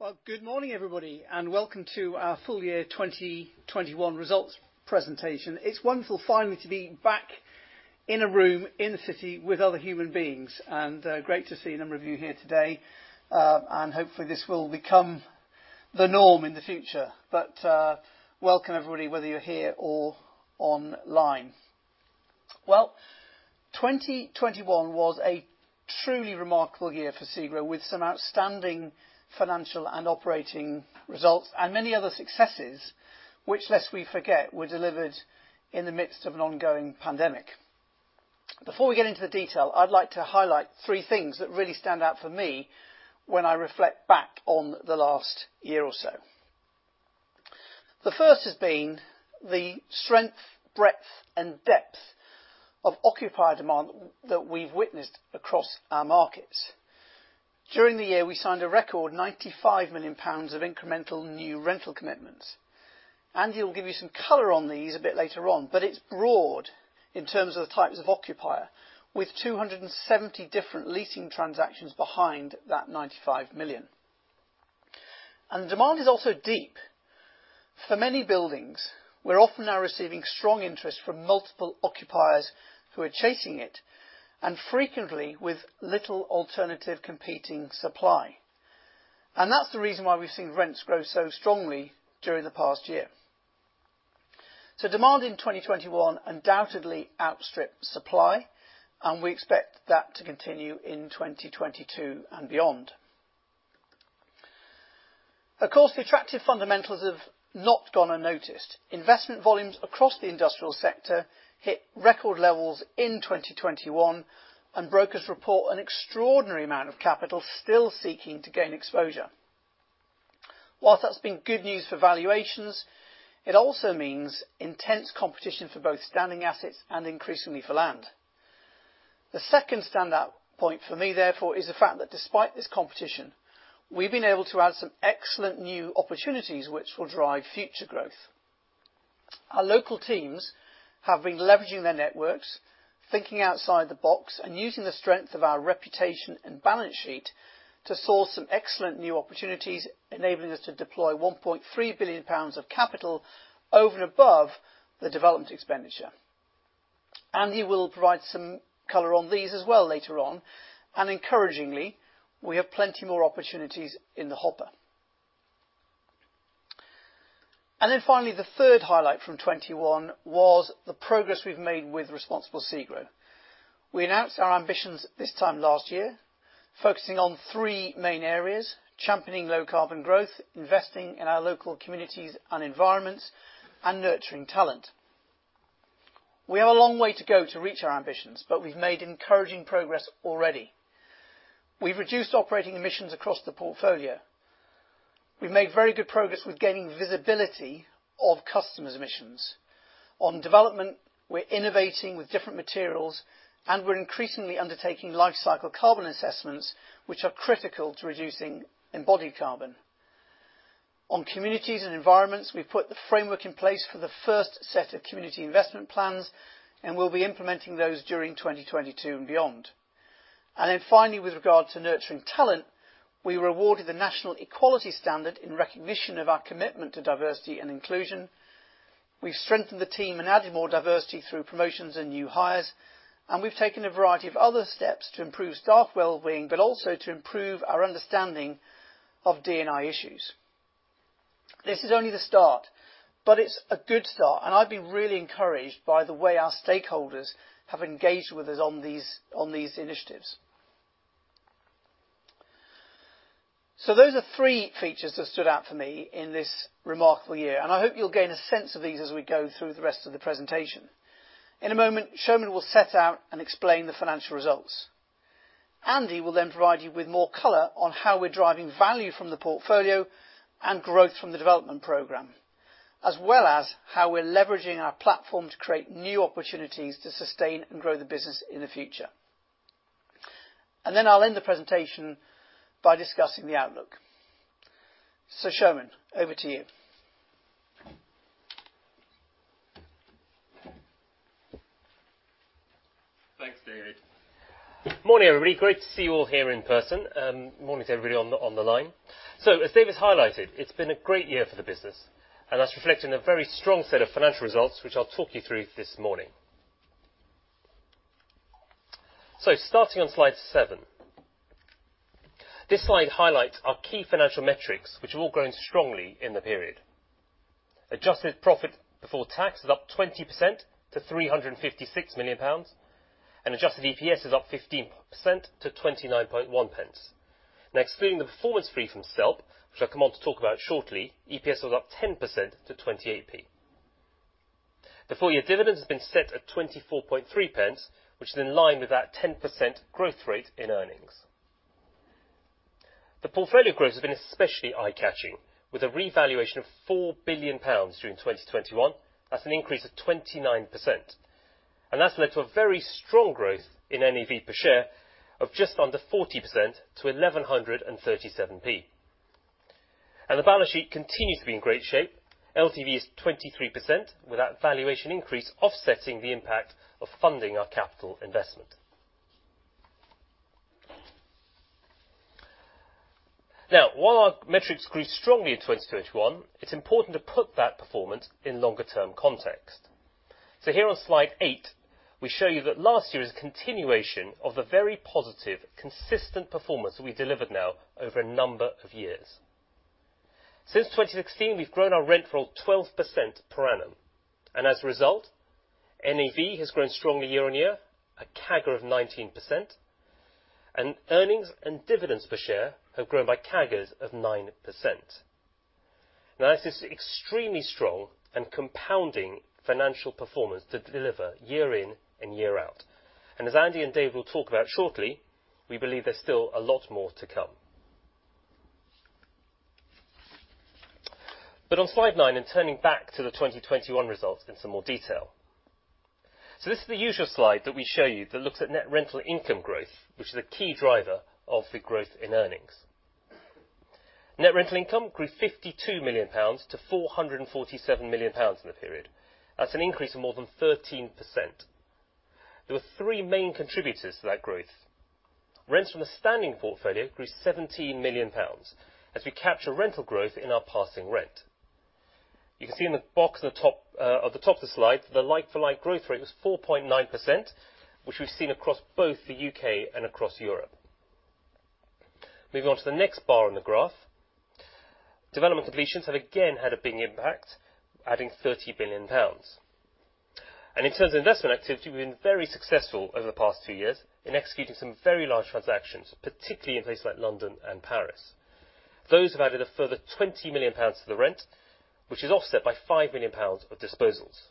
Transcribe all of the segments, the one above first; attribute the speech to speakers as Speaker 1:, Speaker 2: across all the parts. Speaker 1: Well, good morning, everybody, and welcome to our full year 2021 results presentation. It's wonderful finally to be back in a room in the city with other human beings, and great to see a number of you here today. Hopefully this will become the norm in the future. Welcome everybody, whether you're here or online. Well, 2021 was a truly remarkable year for SEGRO, with some outstanding financial and operating results and many other successes, which, lest we forget, were delivered in the midst of an ongoing pandemic. Before we get into the detail, I'd like to highlight three things that really stand out for me when I reflect back on the last year or so. The first has been the strength, breadth, and depth of occupier demand that we've witnessed across our markets. During the year, we signed a record 95 million pounds of incremental new rental commitments. Andy will give you some color on these a bit later on, but it's broad in terms of the types of occupier, with 270 different leasing transactions behind that 95 million. Demand is also deep. For many buildings, we're often now receiving strong interest from multiple occupiers who are chasing it, and frequently with little alternative competing supply. That's the reason why we've seen rents grow so strongly during the past year. Demand in 2020 undoubtedly outstripped supply, and we expect that to continue in 2021 and beyond. Of course, the attractive fundamentals have not gone unnoticed. Investment volumes across the industrial sector hit record levels in 2021, and brokers report an extraordinary amount of capital still seeking to gain exposure. While that's been good news for valuations, it also means intense competition for both standing assets and increasingly for land. The second stand-out point for me, therefore, is the fact that despite this competition, we've been able to add some excellent new opportunities which will drive future growth. Our local teams have been leveraging their networks, thinking outside the box and using the strength of our reputation and balance sheet to source some excellent new opportunities, enabling us to deploy 1.3 billion pounds of capital over and above the development expenditure. Andy will provide some color on these as well later on. Encouragingly, we have plenty more opportunities in the hopper. Finally, the third highlight from 2021 was the progress we've made with Responsible SEGRO. We announced our ambitions this time last year, focusing on three main areas, championing low carbon growth, investing in our local communities and environments, and nurturing talent. We have a long way to go to reach our ambitions, but we've made encouraging progress already. We've reduced operating emissions across the portfolio. We've made very good progress with gaining visibility of customers' emissions. On development, we're innovating with different materials, and we're increasingly undertaking life cycle carbon assessments, which are critical to reducing embodied carbon. On communities and environments, we've put the framework in place for the first set of community investment plans, and we'll be implementing those during 2022 and beyond. Finally, with regard to nurturing talent, we were awarded the National Equality Standard in recognition of our commitment to diversity and inclusion. We've strengthened the team and added more diversity through promotions and new hires, and we've taken a variety of other steps to improve staff well-being, but also to improve our understanding of D&I issues. This is only the start, but it's a good start, and I've been really encouraged by the way our stakeholders have engaged with us on these initiatives. Those are three features that stood out for me in this remarkable year, and I hope you'll gain a sense of these as we go through the rest of the presentation. In a moment, Soumen will set out and explain the financial results. Andy will then provide you with more color on how we're driving value from the portfolio and growth from the development program, as well as how we're leveraging our platform to create new opportunities to sustain and grow the business in the future. I'll end the presentation by discussing the outlook. Soumen Das, over to you.
Speaker 2: Thanks, David. Morning, everybody. Great to see you all here in person. Morning to everybody on the line. As David's highlighted, it's been a great year for the business, and that's reflected in a very strong set of financial results, which I'll talk you through this morning. Starting on slide 7. This slide highlights our key financial metrics, which have all grown strongly in the period. Adjusted profit before tax is up 20% to 356 million pounds, and adjusted EPS is up 15% to 29.1 pence. Now, excluding the performance fee from SELP, which I'll come on to talk about shortly, EPS was up 10% to 28 pence. The full-year dividend has been set at 24.3 pence, which is in line with that 10% growth rate in earnings. The portfolio growth has been especially eye-catching, with a revaluation of 4 billion pounds during 2021. That's an increase of 29%. That's led to a very strong growth in NAV per share of just under 40% to 1,137 pence. The balance sheet continues to be in great shape. LTV is 23%, with that valuation increase offsetting the impact of funding our capital investment. Now, while our metrics grew strongly in 2021, it's important to put that performance in longer-term context. Here on slide 8, we show you that last year is a continuation of the very positive, consistent performance that we delivered now over a number of years. Since 2016, we've grown our rent roll 12% per annum, and as a result, NAV has grown strongly year-on-year, a CAGR of 19%, and earnings and dividends per share have grown by CAGRs of 9%. Now, this is extremely strong and compounding financial performance to deliver year in and year out. As Andy and Dave will talk about shortly, we believe there's still a lot more to come. On slide nine, in turning back to the 2021 results in some more detail. This is the usual slide that we show you that looks at net rental income growth, which is a key driver of the growth in earnings. Net rental income grew 52 million pounds to 447 million pounds in the period. That's an increase of more than 13%. There were three main contributors to that growth. Rents from the standing portfolio grew GBP 17 million as we capture rental growth in our passing rent. You can see in the box at the top, at the top of the slide, the like-for-like growth rate was 4.9%, which we've seen across both the U.K. and across Europe. Moving on to the next bar in the graph. Development completions have again had a big impact, adding 30 billion pounds. In terms of investment activity, we've been very successful over the past two years in executing some very large transactions, particularly in places like London and Paris. Those have added a further 20 million pounds to the rent, which is offset by 5 million pounds of disposals.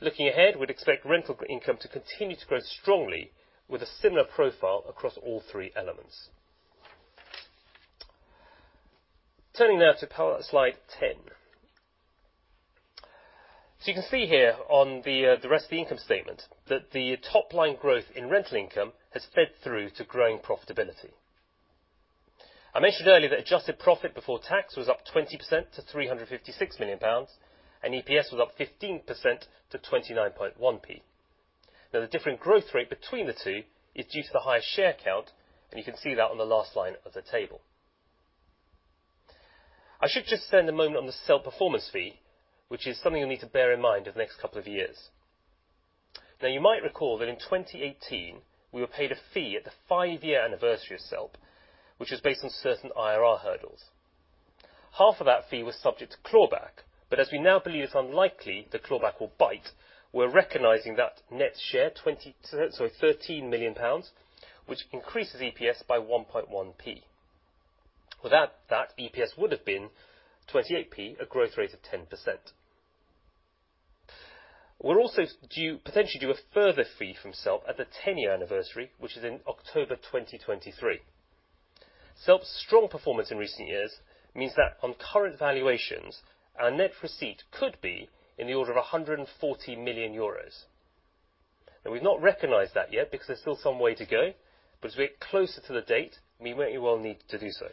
Speaker 2: Looking ahead, we'd expect rental income to continue to grow strongly with a similar profile across all three elements. Turning now to power, slide ten. You can see here on the rest of the income statement that the top-line growth in rental income has fed through to growing profitability. I mentioned earlier that adjusted profit before tax was up 20% to 356 million pounds, and EPS was up 15% to 29.1 pence. The different growth rate between the two is due to the higher share count, and you can see that on the last line of the table. I should just spend a moment on the SELP performance fee, which is something you'll need to bear in mind over the next couple of years. You might recall that in 2018, we were paid a fee at the five-year anniversary of SELP, which was based on certain IRR hurdles. Half of that fee was subject to clawback. As we now believe it's unlikely the clawback will bite, we're recognizing that net share 13 million pounds, which increases EPS by 1.1 pence. Without that, EPS would have been 28 pence, a growth rate of 10%. We're also potentially due a further fee from SELP at the 10-year anniversary, which is in October 2023. SELP's strong performance in recent years means that on current valuations, our net receipt could be in the order of 140 million euros. Now, we've not recognized that yet because there's still some way to go, but as we get closer to the date, we might well need to do so.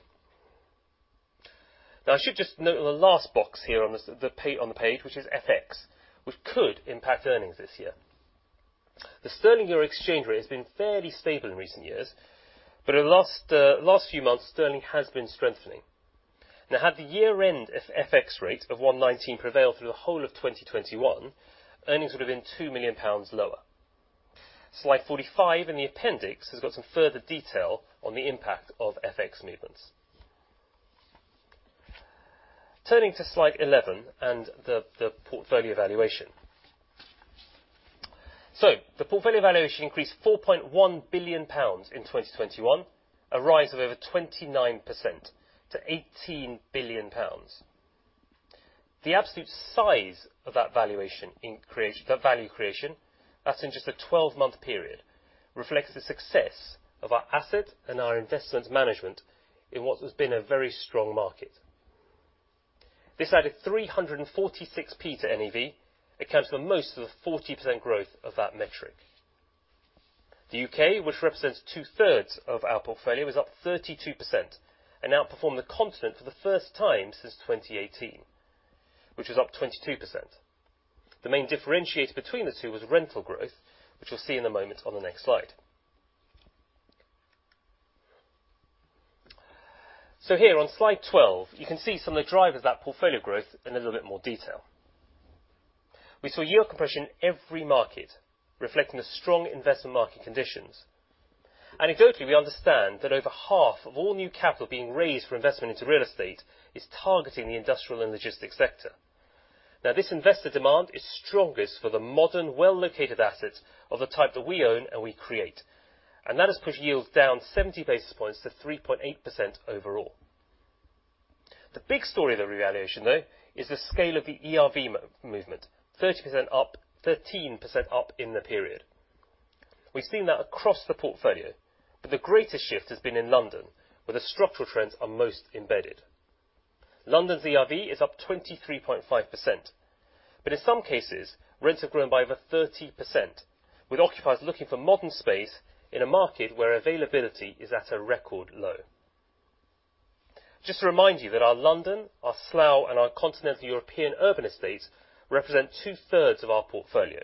Speaker 2: Now, I should just note on the last box here on the page, which is FX, which could impact earnings this year. The sterling euro exchange rate has been fairly stable in recent years, but in the last few months, sterling has been strengthening. Now, had the year-end FX rate of 1.19 prevailed through the whole of 2021, earnings would have been 2 million pounds lower. Slide 45 in the appendix has got some further detail on the impact of FX movements. Turning to slide 11 and the portfolio valuation. The portfolio valuation increased 4.1 billion pounds in 2021, a rise of over 29% to 18 billion pounds. The absolute size of that valuation increase, that value creation, that's in just a 12-month period, reflects the success of our asset and our investment management in what has been a very strong market. This added 346 pence to NAV and accounts for most of the 40% growth of that metric. The U.K., which represents two-thirds of our portfolio, was up 32% and outperformed the continent for the first time since 2018, which was up 22%. The main differentiator between the two was rental growth, which we'll see in a moment on the next slide. Here on slide 12, you can see some of the drivers of that portfolio growth in a little bit more detail. We saw yield compression in every market, reflecting the strong investment market conditions. Anecdotally, we understand that over half of all new capital being raised for investment into real estate is targeting the industrial and logistics sector. This investor demand is strongest for the modern, well-located assets of the type that we own and we create. That has pushed yields down 70 basis points to 3.8% overall. The big story of the revaluation, though, is the scale of the ERV month-over-month movement. 30% up, 13% up in the period. We've seen that across the portfolio, but the greatest shift has been in London, where the structural trends are most embedded. London's ERV is up 23.5%. In some cases, rents have grown by over 30%, with occupiers looking for modern space in a market where availability is at a record low. Just to remind you that our London, our Slough, and our Continental European urban estates represent two-thirds of our portfolio,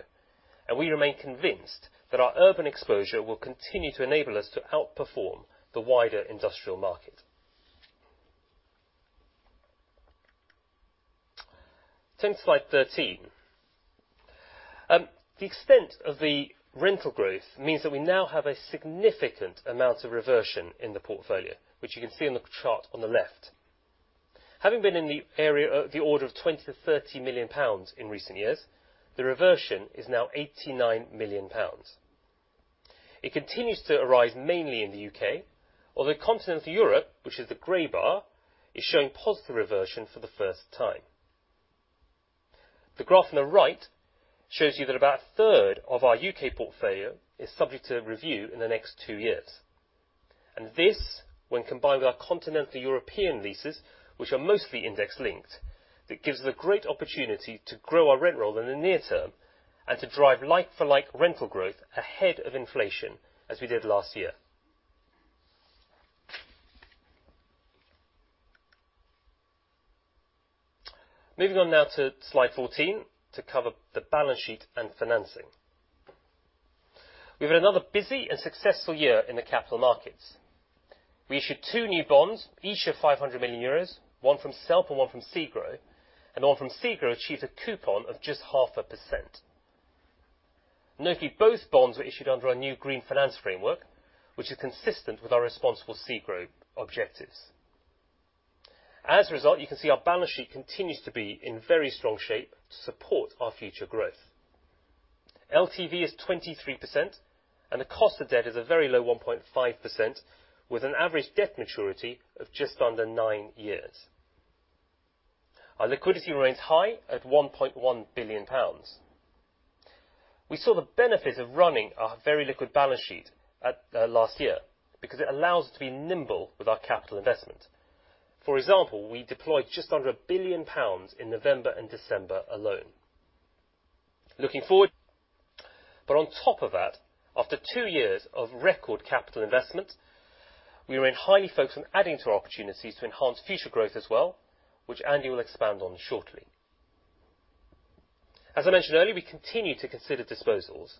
Speaker 2: and we remain convinced that our urban exposure will continue to enable us to outperform the wider industrial market. Turning to slide 13. The extent of the rental growth means that we now have a significant amount of reversion in the portfolio, which you can see in the chart on the left. Having been in the order of 20 million-30 million pounds in recent years, the reversion is now 89 million pounds. It continues to arise mainly in the U.K., although Continental Europe, which is the gray bar, is showing positive reversion for the first time. The graph on the right shows you that about a third of our U.K. portfolio is subject to review in the next two years. This, when combined with our Continental European leases, which are mostly index-linked, that gives the great opportunity to grow our rent roll in the near term and to drive like-for-like rental growth ahead of inflation, as we did last year. Moving on now to slide 14 to cover the balance sheet and financing. We've had another busy and successful year in the capital markets. We issued two new bonds, each of 500 million euros, one from SELP and one from SEGRO, and the one from SEGRO achieved a coupon of just 0.5%. Notably, both bonds were issued under our new Green Finance Framework, which is consistent with our Responsible SEGRO objectives. As a result, you can see our balance sheet continues to be in very strong shape to support our future growth. LTV is 23%, and the cost of debt is a very low 1.5%, with an average debt maturity of just under 9 years. Our liquidity remains high at 1.1 billion pounds. We saw the benefit of running our very liquid balance sheet at last year because it allows us to be nimble with our capital investment. For example, we deployed just under 1 billion pounds in November and December alone. Looking forward. On top of that, after two years of record capital investment, we remain highly focused on adding to our opportunities to enhance future growth as well, which Andy will expand on shortly. As I mentioned earlier, we continue to consider disposals.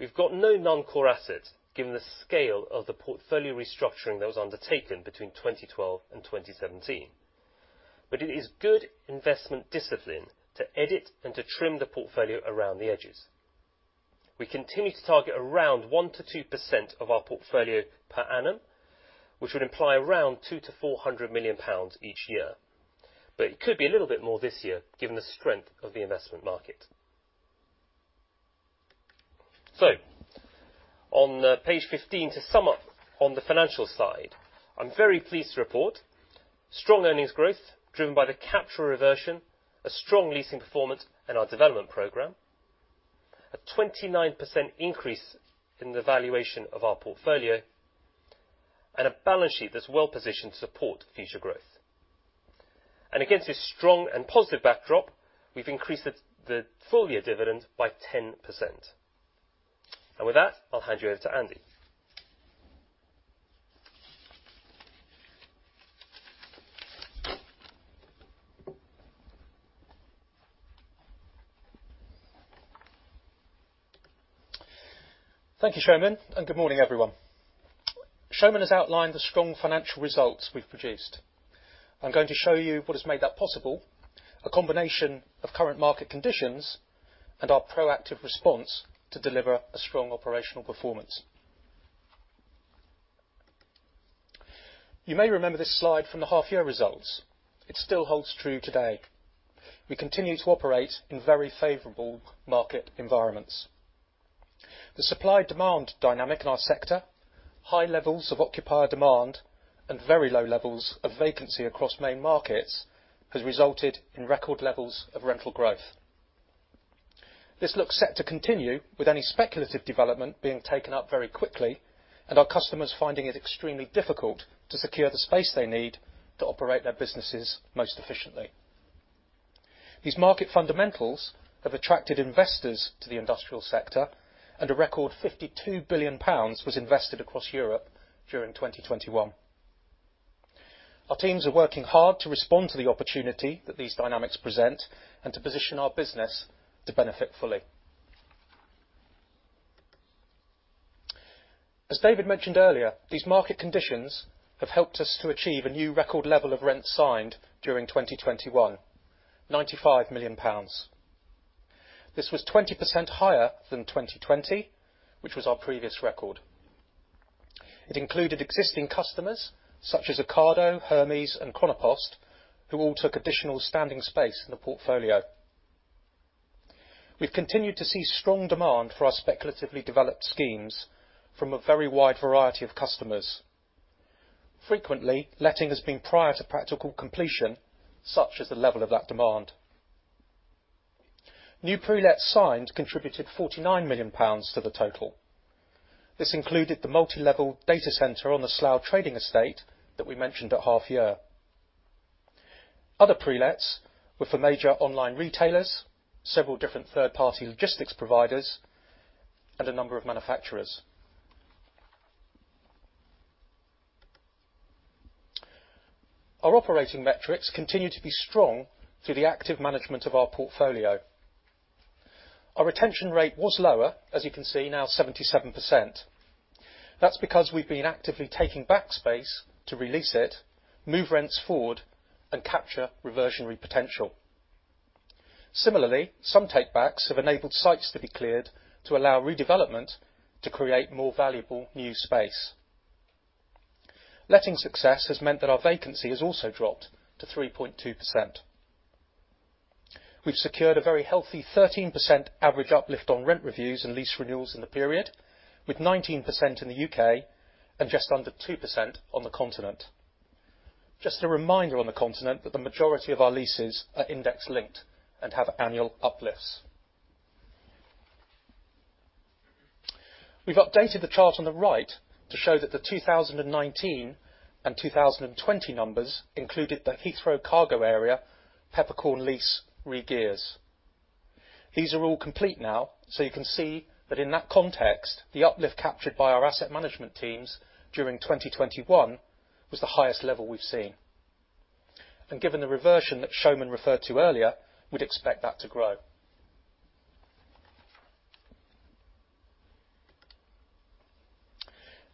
Speaker 2: We've got no non-core assets, given the scale of the portfolio restructuring that was undertaken between 2012 and 2017. It is good investment discipline to edit and to trim the portfolio around the edges. We continue to target around 1%-2% of our portfolio per annum, which would imply around 200 million to 400 million pounds each year. It could be a little bit more this year, given the strength of the investment market. On page 15, to sum up on the financial side, I'm very pleased to report strong earnings growth driven by the capture reversion, a strong leasing performance in our development program, a 29% increase in the valuation of our portfolio, and a balance sheet that's well-positioned to support future growth. Against this strong and positive backdrop, we've increased the full-year dividend by 10%. With that, I'll hand you over to Andy.
Speaker 3: Thank you, Soumen, and good morning, everyone. Soumen has outlined the strong financial results we've produced. I'm going to show you what has made that possible, a combination of current market conditions and our proactive response to deliver a strong operational performance. You may remember this slide from the half-year results. It still holds true today. We continue to operate in very favorable market environments. The supply-demand dynamic in our sector, high levels of occupier demand, and very low levels of vacancy across main markets has resulted in record levels of rental growth. This looks set to continue, with any speculative development being taken up very quickly and our customers finding it extremely difficult to secure the space they need to operate their businesses most efficiently. These market fundamentals have attracted investors to the industrial sector, and a record 52 billion pounds was invested across Europe during 2021. Our teams are working hard to respond to the opportunity that these dynamics present and to position our business to benefit fully. As David mentioned earlier, these market conditions have helped us to achieve a new record level of rent signed during 2021, 95 million pounds. This was 20% higher than 2020, which was our previous record. It included existing customers such as Ocado, Hermes, and Chronopost, who all took additional standing space in the portfolio. We've continued to see strong demand for our speculatively developed schemes from a very wide variety of customers. Frequently, letting has been prior to practical completion, such is the level of that demand. New pre-let signs contributed 49 million pounds to the total. This included the multi-level data center on the Slough trading estate that we mentioned at half year. Other pre-lets were for major online retailers, several different third-party logistics providers, and a number of manufacturers. Our operating metrics continue to be strong through the active management of our portfolio. Our retention rate was lower, as you can see, now 77%. That's because we've been actively taking back space to release it, move rents forward, and capture reversionary potential. Similarly, some take backs have enabled sites to be cleared to allow redevelopment to create more valuable new space. Letting success has meant that our vacancy has also dropped to 3.2%. We've secured a very healthy 13% average uplift on rent reviews and lease renewals in the period, with 19% in the U.K. and just under 2% on the continent. Just a reminder on the continent that the majority of our leases are index-linked and have annual uplifts. We've updated the chart on the right to show that the 2019 and 2020 numbers included the Heathrow cargo area, peppercorn lease re-gears. These are all complete now, so you can see that in that context, the uplift captured by our asset management teams during 2021 was the highest level we've seen. Given the reversion that Soumen Das referred to earlier, we'd expect that to grow.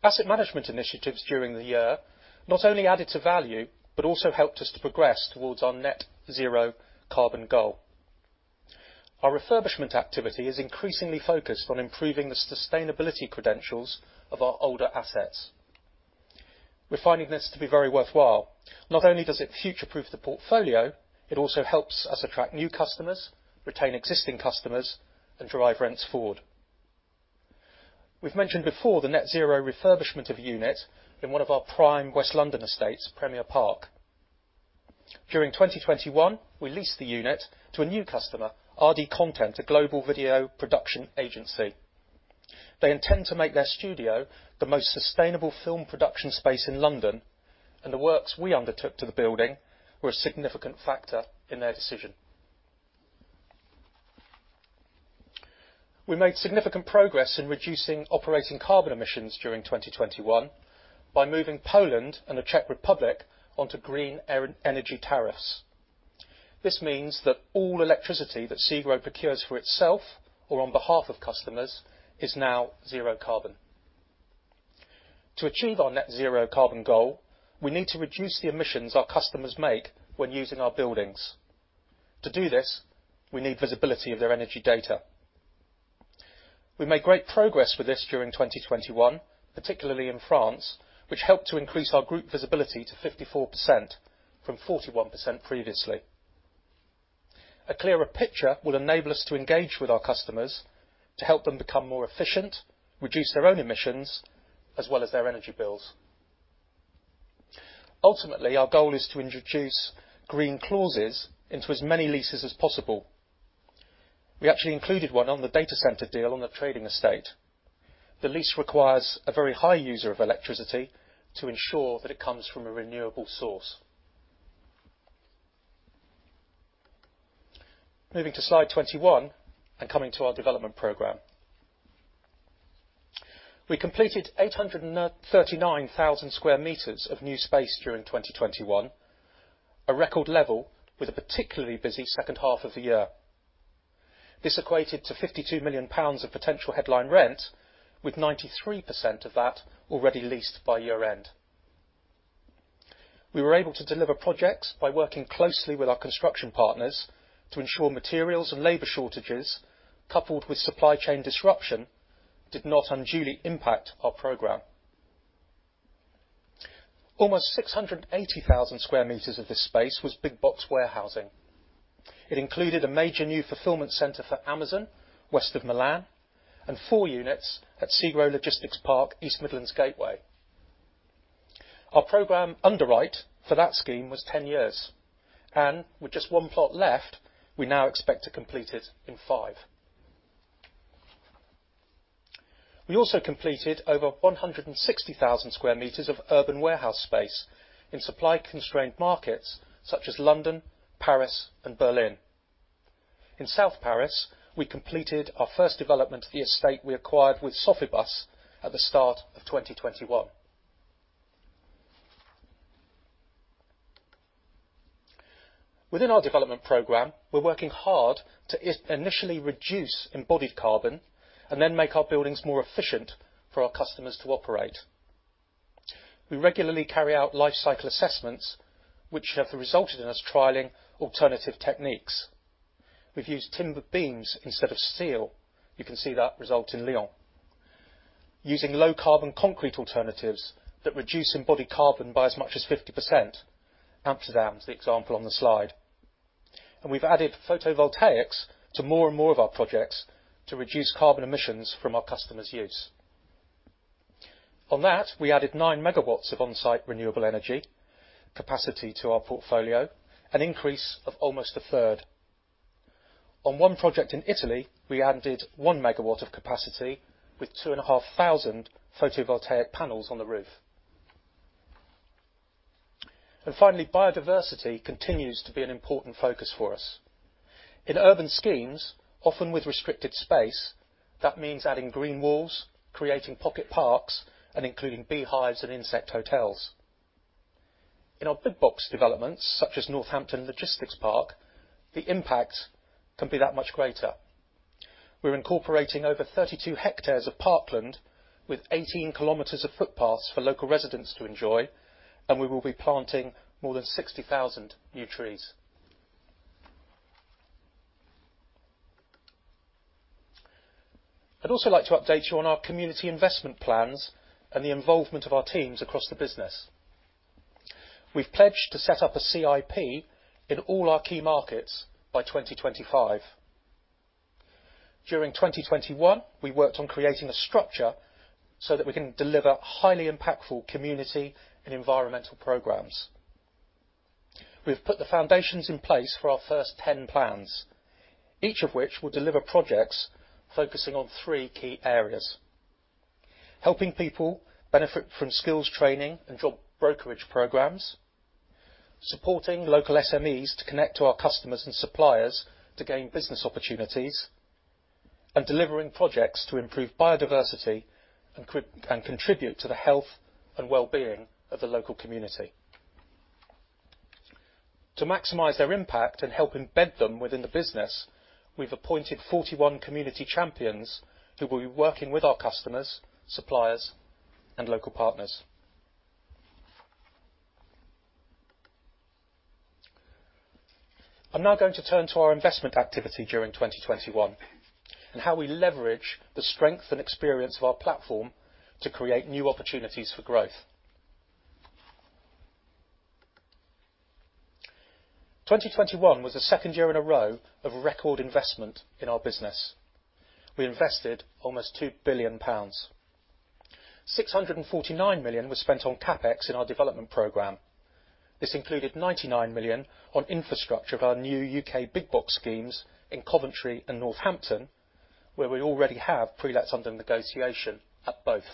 Speaker 3: Asset management initiatives during the year not only added to value, but also helped us to progress towards our net zero carbon goal. Our refurbishment activity is increasingly focused on improving the sustainability credentials of our older assets. We're finding this to be very worthwhile. Not only does it future-proof the portfolio, it also helps us attract new customers, retain existing customers, and drive rents forward. We've mentioned before the net zero refurbishment of a unit in one of our prime West London estates, Premier Park. During 2021, we leased the unit to a new customer, RD Content, a global video production agency. They intend to make their studio the most sustainable film production space in London, and the works we undertook to the building were a significant factor in their decision. We made significant progress in reducing operating carbon emissions during 2021 by moving Poland and the Czech Republic onto green energy tariffs. This means that all electricity that SEGRO procures for itself or on behalf of customers is now zero carbon. To achieve our net zero carbon goal, we need to reduce the emissions our customers make when using our buildings. To do this, we need visibility of their energy data. We made great progress with this during 2021, particularly in France, which helped to increase our group visibility to 54% from 41% previously. A clearer picture will enable us to engage with our customers to help them become more efficient, reduce their own emissions, as well as their energy bills. Ultimately, our goal is to introduce green clauses into as many leases as possible. We actually included one on the data center deal on the trading estate. The lease requires a very high user of electricity to ensure that it comes from a renewable source. Moving to slide 21 and coming to our development program. We completed 839,000 sq m of new space during 2021, a record level with a particularly busy second half of the year. This equated to 52 million pounds of potential headline rent, with 93% of that already leased by year-end. We were able to deliver projects by working closely with our construction partners to ensure materials and labor shortages, coupled with supply chain disruption, did not unduly impact our program. Almost 680,000 sq m of this space was big box warehousing. It included a major new fulfillment center for Amazon, west of Milan, and four units at SEGRO Logistics Park, East Midlands Gateway. Our program underwrite for that scheme was 10 years, and with just one plot left, we now expect to complete it in five years. We also completed over 160,000 sq m of urban warehouse space in supply-constrained markets such as London, Paris, and Berlin. In South Paris, we completed our first development of the estate we acquired with Sofibus at the start of 2021. Within our development program, we're working hard to initially reduce embodied carbon and then make our buildings more efficient for our customers to operate. We regularly carry out life cycle assessments, which have resulted in us trialing alternative techniques. We've used timber beams instead of steel. You can see that result in Lyon. Using low-carbon concrete alternatives that reduce embodied carbon by as much as 50%, Amsterdam is the example on the slide. We've added photovoltaics to more and more of our projects to reduce carbon emissions from our customers' use. On that, we added 9 MW of on-site renewable energy capacity to our portfolio, an increase of almost a third. On one project in Italy, we added 1 MW of capacity with 2,500 photovoltaic panels on the roof. Finally, biodiversity continues to be an important focus for us. In urban schemes, often with restricted space, that means adding green walls, creating pocket parks, and including beehives and insect hotels. In our big box developments, such as Northampton Logistics Park, the impact can be that much greater. We're incorporating over 32 hectares of parkland with 18 km of footpaths for local residents to enjoy, and we will be planting more than 60,000 new trees. I'd also like to update you on our community investment plans and the involvement of our teams across the business. We've pledged to set up a CIP in all our key markets by 2025. During 2021, we worked on creating a structure so that we can deliver highly impactful community and environmental programs. We've put the foundations in place for our first 10 plans, each of which will deliver projects focusing on three key areas, helping people benefit from skills, training, and job brokerage programs, supporting local SMEs to connect to our customers and suppliers to gain business opportunities, and delivering projects to improve biodiversity and contribute to the health and well-being of the local community. To maximize their impact and help embed them within the business, we've appointed 41 community champions who will be working with our customers, suppliers, and local partners. I'm now going to turn to our investment activity during 2021, and how we leverage the strength and experience of our platform to create new opportunities for growth. 2021 was the second year in a row of a record investment in our business. We invested almost 2 billion pounds. 649 million was spent on CapEx in our development program. This included 99 million on infrastructure of our new U.K. big box schemes in Coventry and Northampton, where we already have prelets under negotiation at both.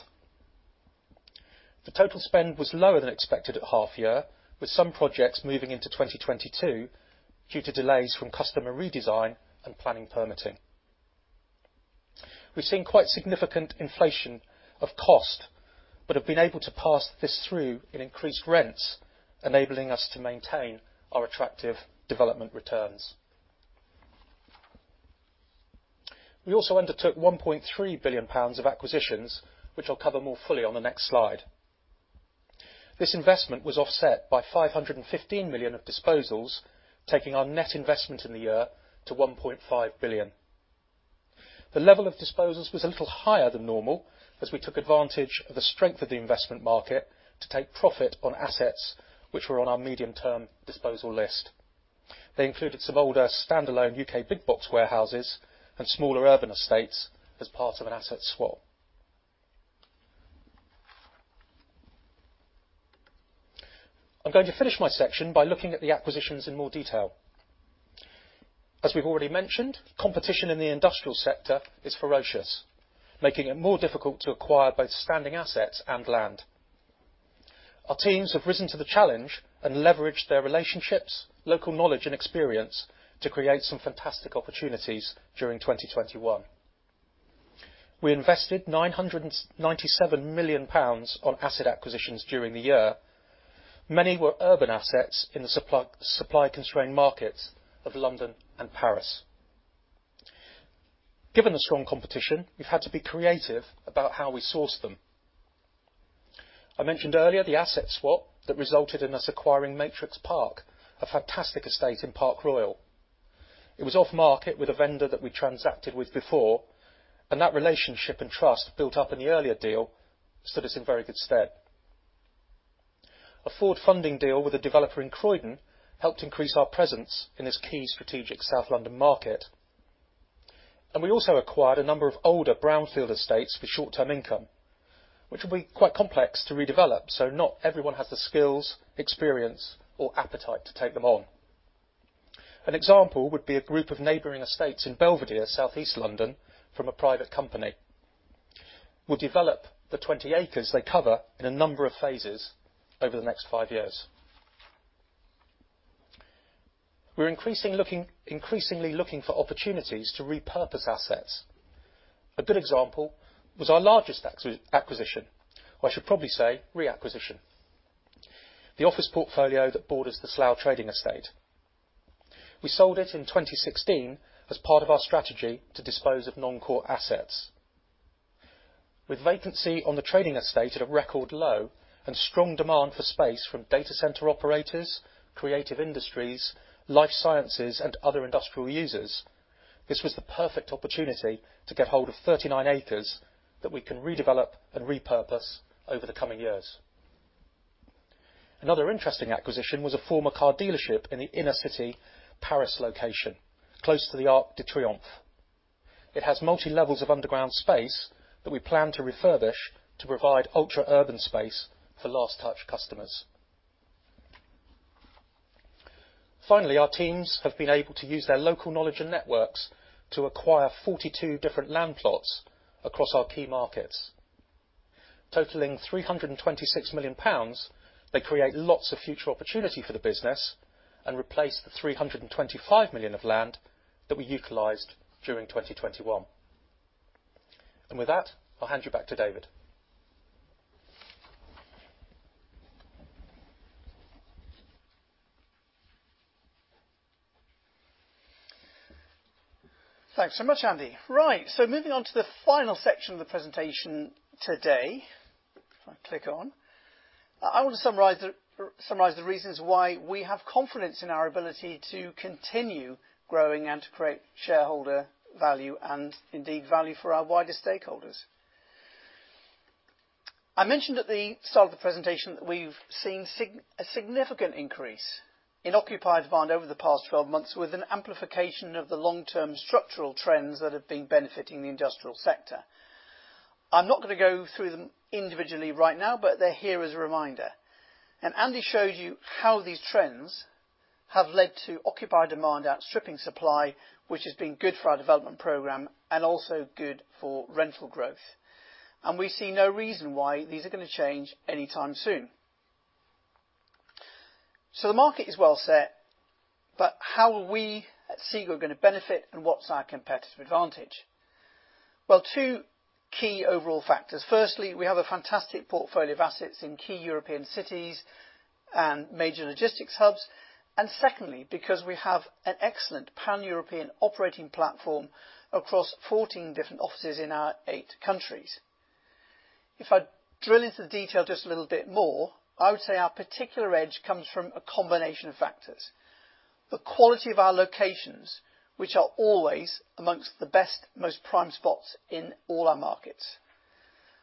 Speaker 3: The total spend was lower than expected at half year, with some projects moving into 2022 due to delays from customer redesign and planning permitting. We've seen quite significant inflation of cost, but have been able to pass this through in increased rents, enabling us to maintain our attractive development returns. We also undertook 1.3 billion pounds of acquisitions, which I'll cover more fully on the next slide. This investment was offset by 515 million of disposals, taking our net investment in the year to 1.5 billion. The level of disposals was a little higher than normal as we took advantage of the strength of the investment market to take profit on assets which were on our medium-term disposal list. They included some older standalone U.K. big box warehouses and smaller urban estates as part of an asset swap. I'm going to finish my section by looking at the acquisitions in more detail. As we've already mentioned, competition in the industrial sector is ferocious, making it more difficult to acquire both standing assets and land. Our teams have risen to the challenge and leveraged their relationships, local knowledge, and experience to create some fantastic opportunities during 2021. We invested 997 million pounds on asset acquisitions during the year. Many were urban assets in the supply-constrained markets of London and Paris. Given the strong competition, we've had to be creative about how we source them. I mentioned earlier the asset swap that resulted in us acquiring Matrix Park, a fantastic estate in Park Royal. It was off market with a vendor that we transacted with before, and that relationship and trust built up in the earlier deal stood us in very good stead. A forward funding deal with a developer in Croydon helped increase our presence in this key strategic South London market. We also acquired a number of older brownfield estates for short-term income, which will be quite complex to redevelop, so not everyone has the skills, experience, or appetite to take them on. An example would be a group of neighboring estates in Belvedere, Southeast London from a private company. We'll develop the 20 acres they cover in a number of phases over the next five years. We're increasingly looking for opportunities to repurpose assets. A good example was our largest acquisition, or I should probably say reacquisition, the office portfolio that borders the Slough trading estate. We sold it in 2016 as part of our strategy to dispose of non-core assets. With vacancy on the trading estate at a record low and strong demand for space from data center operators, creative industries, life sciences, and other industrial users, this was the perfect opportunity to get hold of 39 acres that we can redevelop and repurpose over the coming years. Another interesting acquisition was a former car dealership in the inner city Paris location, close to the Arc de Triomphe. It has multi-levels of underground space that we plan to refurbish to provide ultra-urban space for last-mile customers. Finally, our teams have been able to use their local knowledge and networks to acquire 42 different land plots across our key markets. Totaling 326 million pounds, they create lots of future opportunity for the business and replace the 325 million of land that we utilized during 2021. With that, I'll hand you back to David.
Speaker 1: Thanks so much, Andy. Right. Moving on to the final section of the presentation today. If I click on. I want to summarize the reasons why we have confidence in our ability to continue growing and to create shareholder value and indeed value for our wider stakeholders. I mentioned at the start of the presentation that we've seen a significant increase in occupied demand over the past 12 months with an amplification of the long-term structural trends that have been benefiting the industrial sector. I'm not gonna go through them individually right now, but they're here as a reminder. Andy showed you how these trends have led to occupier demand outstripping supply, which has been good for our development program and also good for rental growth. We see no reason why these are gonna change anytime soon. The market is well set, but how are we at SEGRO going to benefit, and what's our competitive advantage? Well, two key overall factors. Firstly, we have a fantastic portfolio of assets in key European cities and major logistics hubs. Secondly, because we have an excellent pan-European operating platform across 14 different offices in our eight countries. If I drill into the detail just a little bit more, I would say our particular edge comes from a combination of factors. The quality of our locations, which are always among the best, most prime spots in all our markets.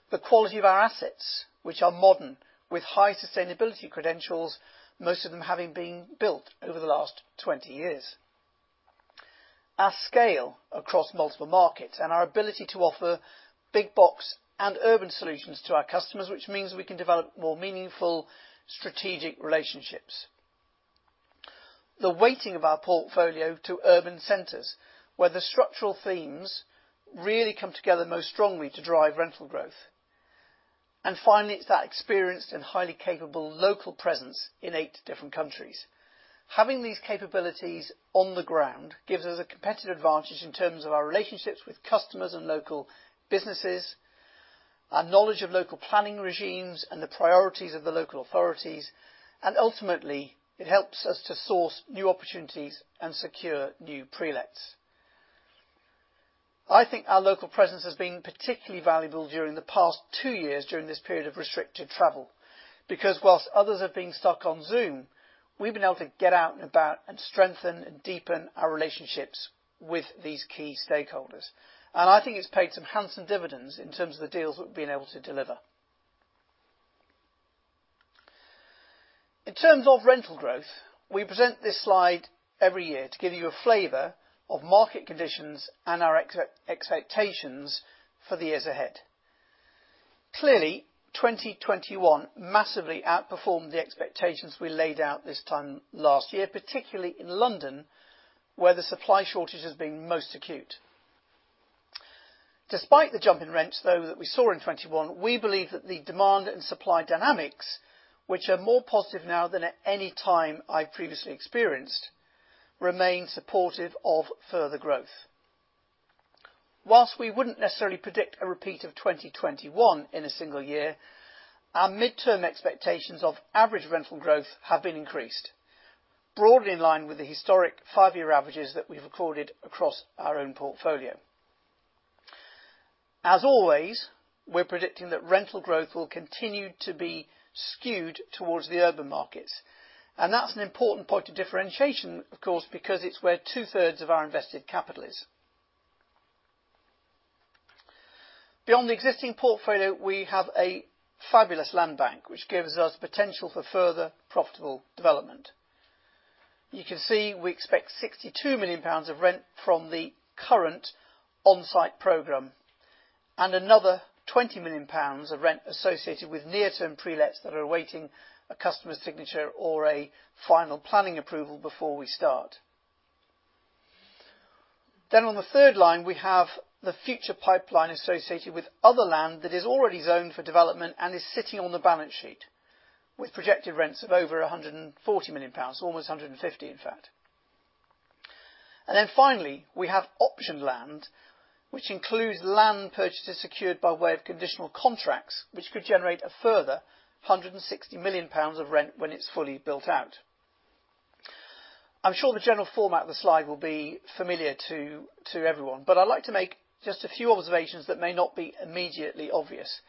Speaker 1: The quality of our assets, which are modern, with high sustainability credentials, most of them having been built over the last 20 years. Our scale across multiple markets and our ability to offer big box and urban solutions to our customers, which means we can develop more meaningful strategic relationships. The weighting of our portfolio to urban centers, where the structural themes really come together most strongly to drive rental growth. Finally, it's that experienced and highly capable local presence in eight different countries. Having these capabilities on the ground gives us a competitive advantage in terms of our relationships with customers and local businesses, our knowledge of local planning regimes and the priorities of the local authorities, and ultimately, it helps us to source new opportunities and secure new pre-lets. I think our local presence has been particularly valuable during the past two years during this period of restricted travel. Because while others have been stuck on Zoom, we've been able to get out and about and strengthen and deepen our relationships with these key stakeholders. I think it's paid some handsome dividends in terms of the deals that we've been able to deliver. In terms of rental growth, we present this slide every year to give you a flavor of market conditions and our expectations for the years ahead. Clearly, 2021 massively outperformed the expectations we laid out this time last year, particularly in London, where the supply shortage has been most acute. Despite the jump in rents, though, that we saw in 2021, we believe that the demand and supply dynamics, which are more positive now than at any time I've previously experienced, remain supportive of further growth. While we wouldn't necessarily predict a repeat of 2021 in a single year, our midterm expectations of average rental growth have been increased, broadly in line with the historic five-year averages that we've recorded across our own portfolio. As always, we're predicting that rental growth will continue to be skewed towards the urban markets. That's an important point of differentiation, of course, because it's where two-thirds of our invested capital is. Beyond the existing portfolio, we have a fabulous land bank, which gives us potential for further profitable development. You can see we expect 62 million pounds of rent from the current on-site program and another 20 million pounds of rent associated with near-term prelets that are awaiting a customer's signature or a final planning approval before we start. On the third line, we have the future pipeline associated with other land that is already zoned for development and is sitting on the balance sheet with projected rents of over 140 million pounds, almost 150, in fact. Then finally, we have optioned land, which includes land purchases secured by way of conditional contracts, which could generate a further 160 million pounds of rent when it's fully built out. I'm sure the general format of the slide will be familiar to everyone, but I'd like to make just a few observations that may not be immediately obvious.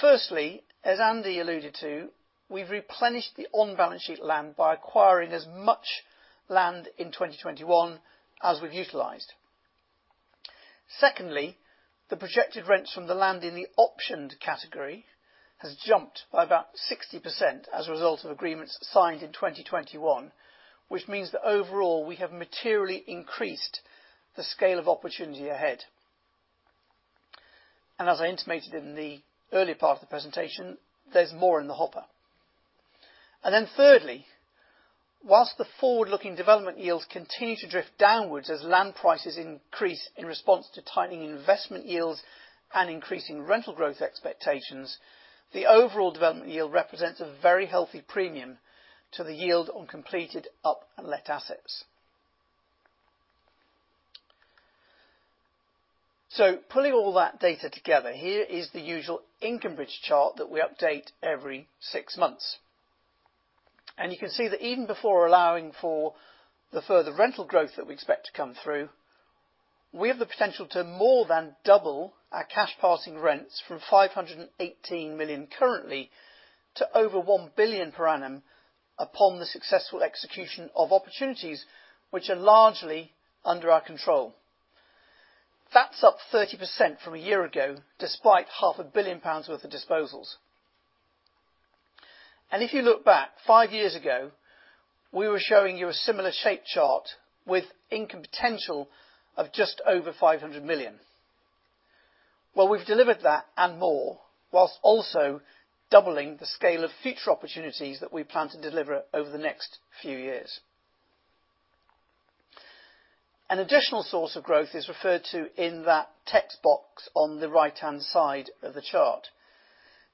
Speaker 1: Firstly, as Andy alluded to, we've replenished the on-balance sheet land by acquiring as much land in 2021 as we've utilized. Secondly, the projected rents from the land in the optioned category has jumped by about 60% as a result of agreements signed in 2021, which means that overall we have materially increased the scale of opportunity ahead. As I intimated in the early part of the presentation, there's more in the hopper. Thirdly, while the forward-looking development yields continue to drift downwards as land prices increase in response to tightening investment yields and increasing rental growth expectations, the overall development yield represents a very healthy premium to the yield on completed up and let assets. Pulling all that data together, here is the usual income bridge chart that we update every six months. You can see that even before allowing for the further rental growth that we expect to come through, we have the potential to more than double our cash passing rents from 518 million currently to over 1 billion per annum upon the successful execution of opportunities, which are largely under our control. That's up 30% from a year ago, despite GBP half a billion worth of disposals. If you look back, five years ago, we were showing you a similar shape chart with income potential of just over 500 million. Well, we've delivered that and more, while also doubling the scale of future opportunities that we plan to deliver over the next few years. An additional source of growth is referred to in that text box on the right-hand side of the chart.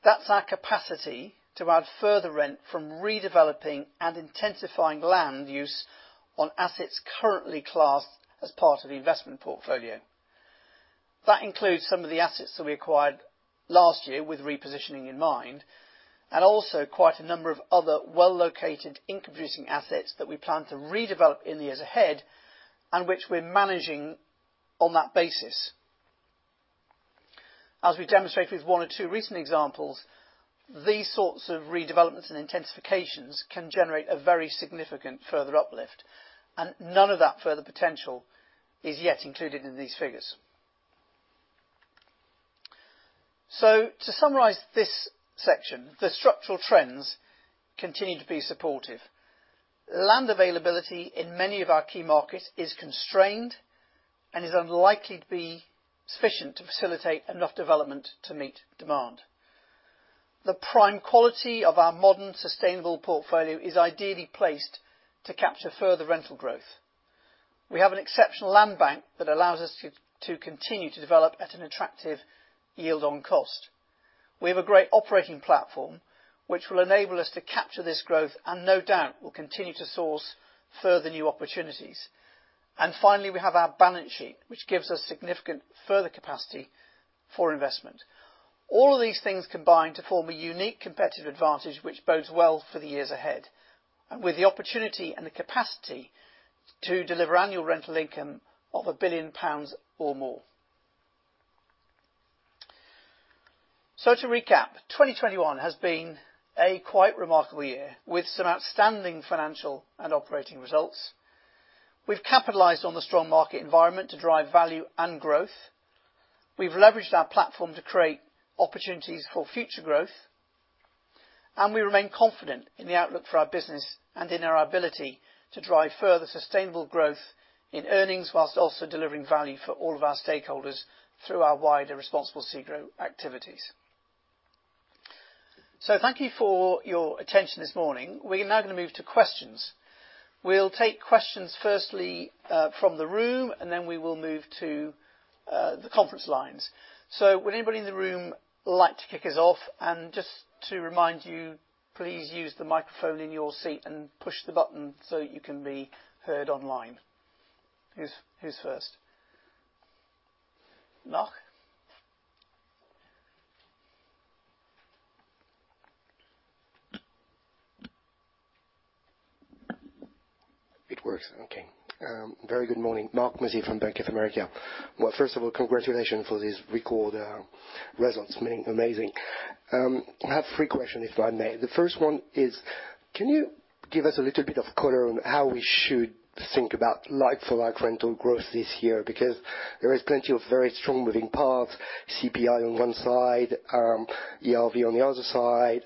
Speaker 1: That's our capacity to add further rent from redeveloping and intensifying land use on assets currently classed as part of the investment portfolio. That includes some of the assets that we acquired last year with repositioning in mind, and also quite a number of other well-located income-producing assets that we plan to redevelop in the years ahead and which we're managing on that basis. As we demonstrated with one or two recent examples, these sorts of redevelopments and intensifications can generate a very significant further uplift, and none of that further potential is yet included in these figures. To summarize this section, the structural trends continue to be supportive. Land availability in many of our key markets is constrained and is unlikely to be sufficient to facilitate enough development to meet demand. The prime quality of our modern, sustainable portfolio is ideally placed to capture further rental growth. We have an exceptional land bank that allows us to continue to develop at an attractive yield on cost. We have a great operating platform, which will enable us to capture this growth, and no doubt, we'll continue to source further new opportunities. Finally, we have our balance sheet, which gives us significant further capacity for investment. All of these things combine to form a unique competitive advantage, which bodes well for the years ahead, and with the opportunity and the capacity to deliver annual rental income of 1 billion pounds or more. To recap, 2021 has been a quite remarkable year with some outstanding financial and operating results. We've capitalized on the strong market environment to drive value and growth. We've leveraged our platform to create opportunities for future growth. We remain confident in the outlook for our business and in our ability to drive further sustainable growth in earnings, while also delivering value for all of our stakeholders through our wider responsible SEGRO activities. Thank you for your attention this morning. We're now gonna move to questions. We'll take questions firstly from the room, and then we will move to the conference lines. Would anybody in the room like to kick us off? Just to remind you, please use the microphone in your seat and push the button so you can be heard online. Who's first? Mark?
Speaker 4: It works. Okay. Very good morning. Mark Sheridan from Bank of America. Well, first of all, congratulations for this record results, I mean, amazing. I have three questions, if I may. The first one is, can you give us a little bit of color on how we should think about like-for-like rental growth this year? Because there is plenty of very strong moving parts, CPI on one side, ERV on the other side,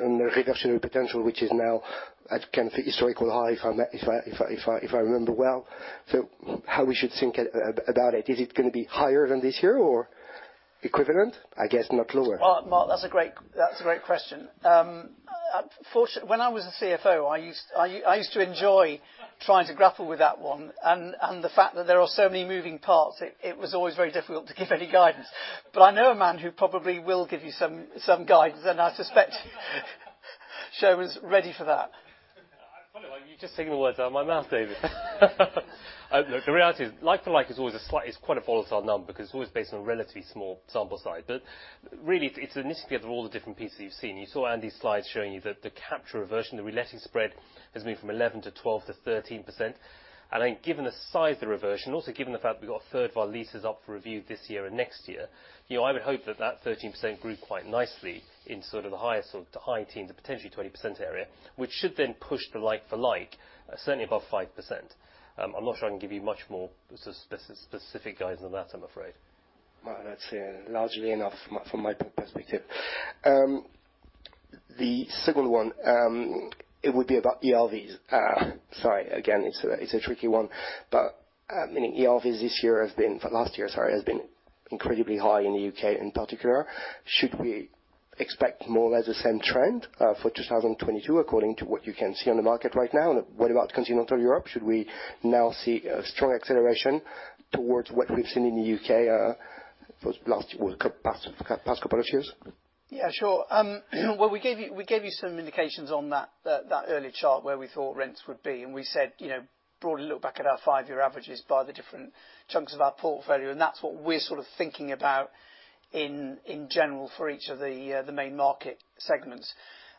Speaker 4: and the reduction potential, which is now at kind of a historical high, if I remember well. So how we should think about it. Is it gonna be higher than this year or equivalent? I guess not lower.
Speaker 1: Mark, that's a great question. When I was a CFO, I used to enjoy trying to grapple with that one, and the fact that there are so many moving parts, it was always very difficult to give any guidance. I know a man who probably will give you some guidance, and I suspect Soumen's ready for that.
Speaker 2: Funny, well, you're just taking the words out of my mouth, David. Look, the reality is like-for-like is always a slight. It's quite a volatile number because it's always based on a relatively small sample size. Really, it knits together all the different pieces you've seen. You saw Andy's slide showing you the capture reversion, the reletting spread has moved from 11% to 13%. Then given the size of the reversion, also given the fact we got a third of our leases up for review this year and next year, you know, I would hope that that 13% grew quite nicely in sort of the highest of the high teens, potentially 20% area, which should then push the like-for-like certainly above 5%. I'm not sure I can give you much more specific guidance than that, I'm afraid.
Speaker 4: Well, that's largely enough from my perspective. The second one, it would be about ERVs. Sorry, again, it's a tricky one. Many ERVs for last year have been incredibly high in the U.K. in particular. Should we expect more or less the same trend for 2022 according to what you can see on the market right now? What about Continental Europe? Should we now see a strong acceleration towards what we've seen in the U.K. for the last couple of years?
Speaker 1: Yeah, sure. Well, we gave you some indications on that early chart where we thought rents would be. We said, you know, broadly look back at our five-year averages by the different chunks of our portfolio, and that's what we're sort of thinking about in general for each of the main market segments.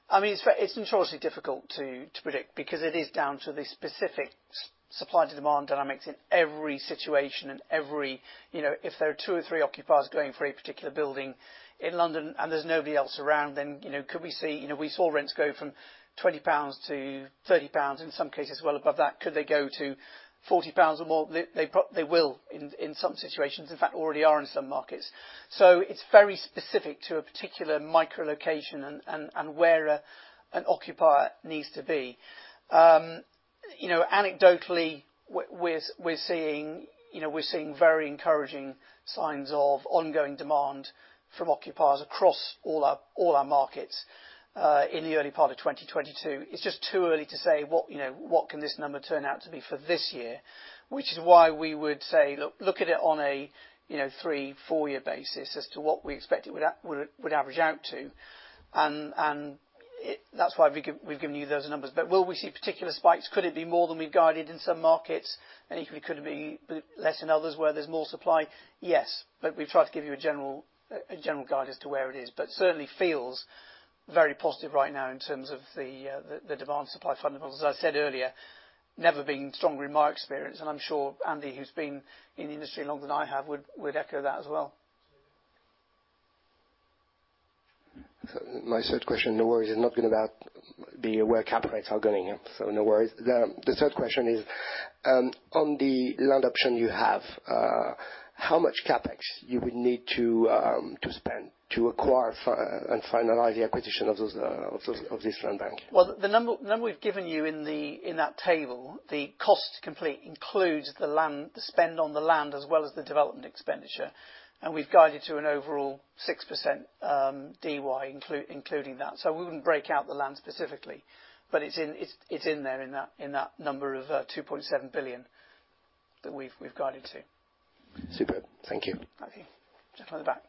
Speaker 1: I mean, it's enormously difficult to predict because it is down to the specific supply to demand dynamics in every situation and every you know, if there are two or three occupiers going for a particular building in London, and there's nobody else around then, you know, could we see you know, we saw rents go from 20 pounds to 30 pounds, in some cases, well above that. Could they go to 40 pounds or more? They will in some situations. In fact, already are in some markets. It's very specific to a particular micro location and where an occupier needs to be. You know, anecdotally, we're seeing very encouraging signs of ongoing demand from occupiers across all our markets in the early part of 2022. It's just too early to say what this number can turn out to be for this year, which is why we would say, look at it on a three to four-year basis as to what we expect it would average out to. That's why we've given you those numbers. Will we see particular spikes? Could it be more than we've guided in some markets? If we could, it could be less in others where there's more supply? Yes. We've tried to give you a general guide as to where it is. Certainly feels very positive right now in terms of the demand supply fundamentals. As I said earlier, never been stronger in my experience, and I'm sure Andy, who's been in the industry longer than I have, would echo that as well.
Speaker 4: My third question, no worries, is not gonna be about whether cap rates are going. No worries. The third question is on the land option you have, how much CapEx you would need to spend to acquire and finalize the acquisition of those of this land bank?
Speaker 1: Well, the number we've given you in that table, the cost to complete includes the land, the spend on the land as well as the development expenditure. We've guided to an overall 6% DY including that. We wouldn't break out the land specifically. It's in there in that number of 2.7 billion that we've guided to.
Speaker 4: Super. Thank you.
Speaker 1: Okay. Gentleman at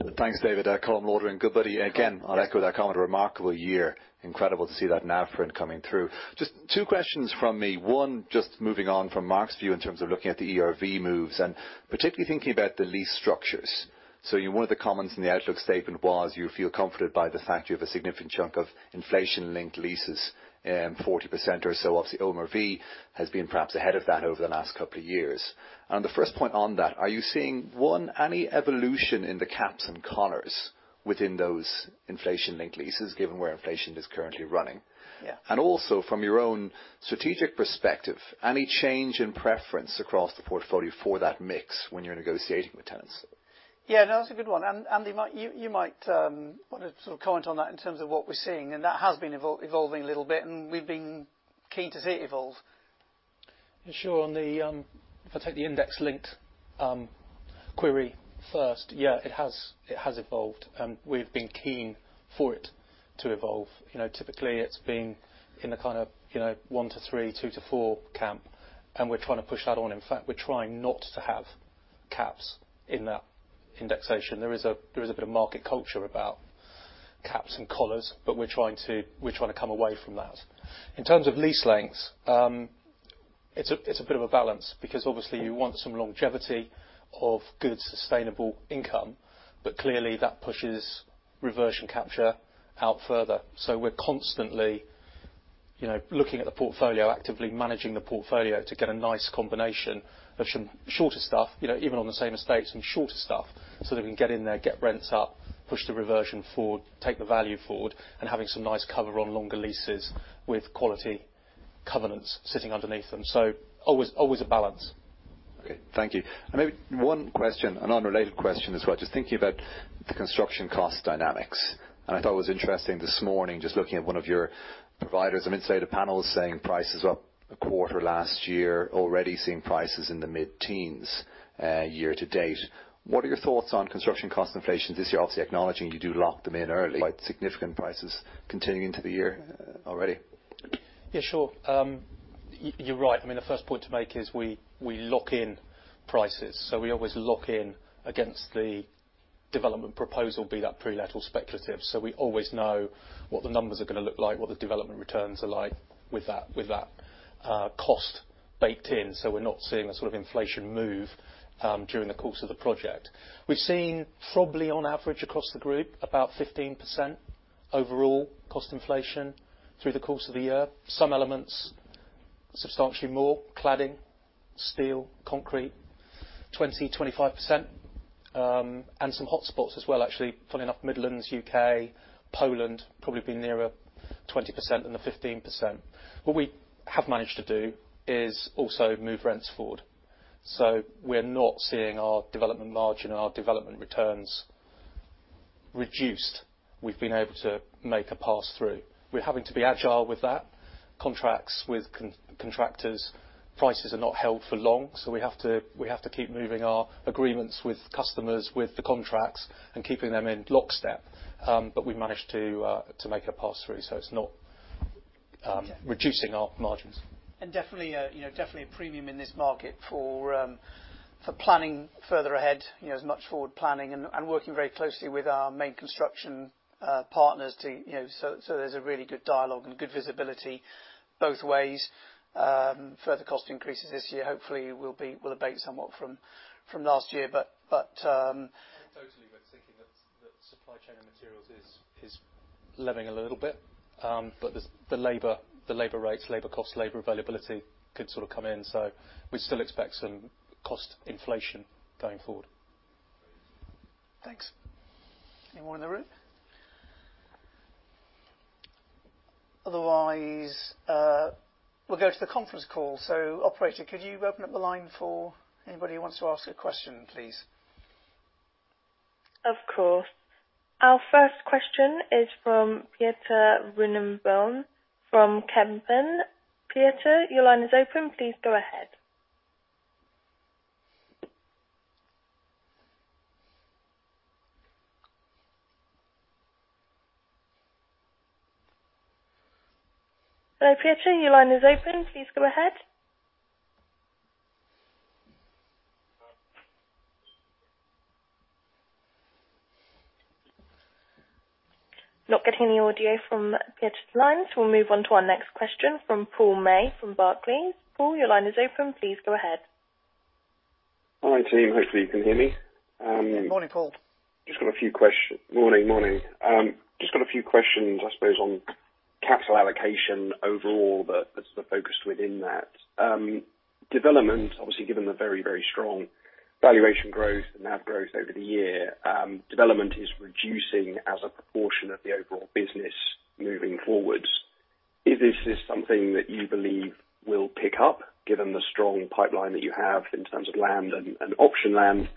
Speaker 1: the back.
Speaker 5: Thanks, David. Colm Lauder in Goodbody. Again, I'll echo that comment. A remarkable year. Incredible to see that NAV rent coming through. Just two questions from me. One, just moving on from Mark's view in terms of looking at the ERV moves, and particularly thinking about the lease structures. One of the comments in the outlook statement was you feel comforted by the fact you have a significant chunk of inflation-linked leases, 40% or so. Obviously, RPI has been perhaps ahead of that over the last couple of years. The first point on that, are you seeing, one, any evolution in the caps and collars within those inflation-linked leases, given where inflation is currently running?
Speaker 1: Yeah.
Speaker 5: Also from your own strategic perspective, any change in preference across the portfolio for that mix when you're negotiating with tenants?
Speaker 1: Yeah, no, that's a good one. Andy, you might wanna sort of comment on that in terms of what we're seeing, and that has been evolving a little bit, and we've been keen to see it evolve.
Speaker 3: Sure. If I take the index-linked query first, yeah, it has evolved, and we've been keen for it to evolve. You know, typically, it's been in a kind of, you know, 1-3, 2-4 camp, and we're trying to push that on. In fact, we're trying not to have caps in that indexation. There is a bit of market culture about caps and collars, but we're trying to come away from that. In terms of lease lengths, it's a bit of a balance because obviously you want some longevity of good, sustainable income, but clearly that pushes reversion capture out further. We're constantly, you know, looking at the portfolio, actively managing the portfolio to get a nice combination of some shorter stuff, you know, even on the same estate, some shorter stuff, so that we can get in there, get rents up, push the reversion forward, take the value forward, and having some nice cover on longer leases with quality covenants sitting underneath them. Always, always a balance.
Speaker 5: Okay, thank you. Maybe one question, an unrelated question as well. Just thinking about the construction cost dynamics. I thought it was interesting this morning, just looking at one of your providers, some industry panels saying prices up a quarter last year, already seeing prices in the mid-teens year to date. What are your thoughts on construction cost inflation this year? Obviously acknowledging you do lock them in early, quite significant prices continuing into the year already.
Speaker 3: Yeah, sure. You're right. I mean, the first point to make is we lock in prices. We always lock in against the development proposal, be that pre-let or speculative. We always know what the numbers are gonna look like, what the development returns are like with that cost baked in, so we're not seeing a sort of inflation move during the course of the project. We've seen probably on average across the group, about 15% overall cost inflation through the course of the year. Some elements, substantially more, cladding, steel, concrete, 20%-25%. Some hotspots as well. Actually, funny enough, Midlands, U.K., Poland, probably nearer 20% than the 15%. What we have managed to do is also move rents forward. We're not seeing our development margin, our development returns reduced. We've been able to make a pass-through. We're having to be agile with that. Contracts with contractors, prices are not held for long, so we have to keep moving our agreements with customers with the contracts and keeping them in lockstep. We managed to make a pass-through, so it's not.
Speaker 1: Okay.
Speaker 3: reducing our margins.
Speaker 1: Definitely a premium in this market for planning further ahead, you know, as much forward planning and working very closely with our main construction partners to, you know, so there's a really good dialogue and good visibility both ways. Further cost increases this year, hopefully will abate somewhat from last year but,
Speaker 3: Totally, we're thinking that supply chain and materials is leveling a little bit. But there's the labor rates, labor cost, labor availability could sort of come in. We still expect some cost inflation going forward.
Speaker 1: Thanks. Anyone in the room? Otherwise, we'll go to the conference call. Operator, could you open up the line for anybody who wants to ask a question, please?
Speaker 6: Of course. Our first question is from Pieter Runneboom from Kempen. Pieter, your line is open. Please go ahead. Hello, Pieter, your line is open. Please go ahead. Not getting any audio from Pieter's line, so we'll move on to our next question from Paul May from Barclays. Paul, your line is open. Please go ahead.
Speaker 7: Hi, team. Hopefully you can hear me.
Speaker 1: Morning, Paul.
Speaker 7: Just got a few questions, I suppose, on capital allocation overall, but development is the focus within that. Development, obviously given the very, very strong valuation growth and NAV growth over the year, development is reducing as a proportion of the overall business moving forwards. Is this something that you believe will pick up given the strong pipeline that you have in terms of land and option land,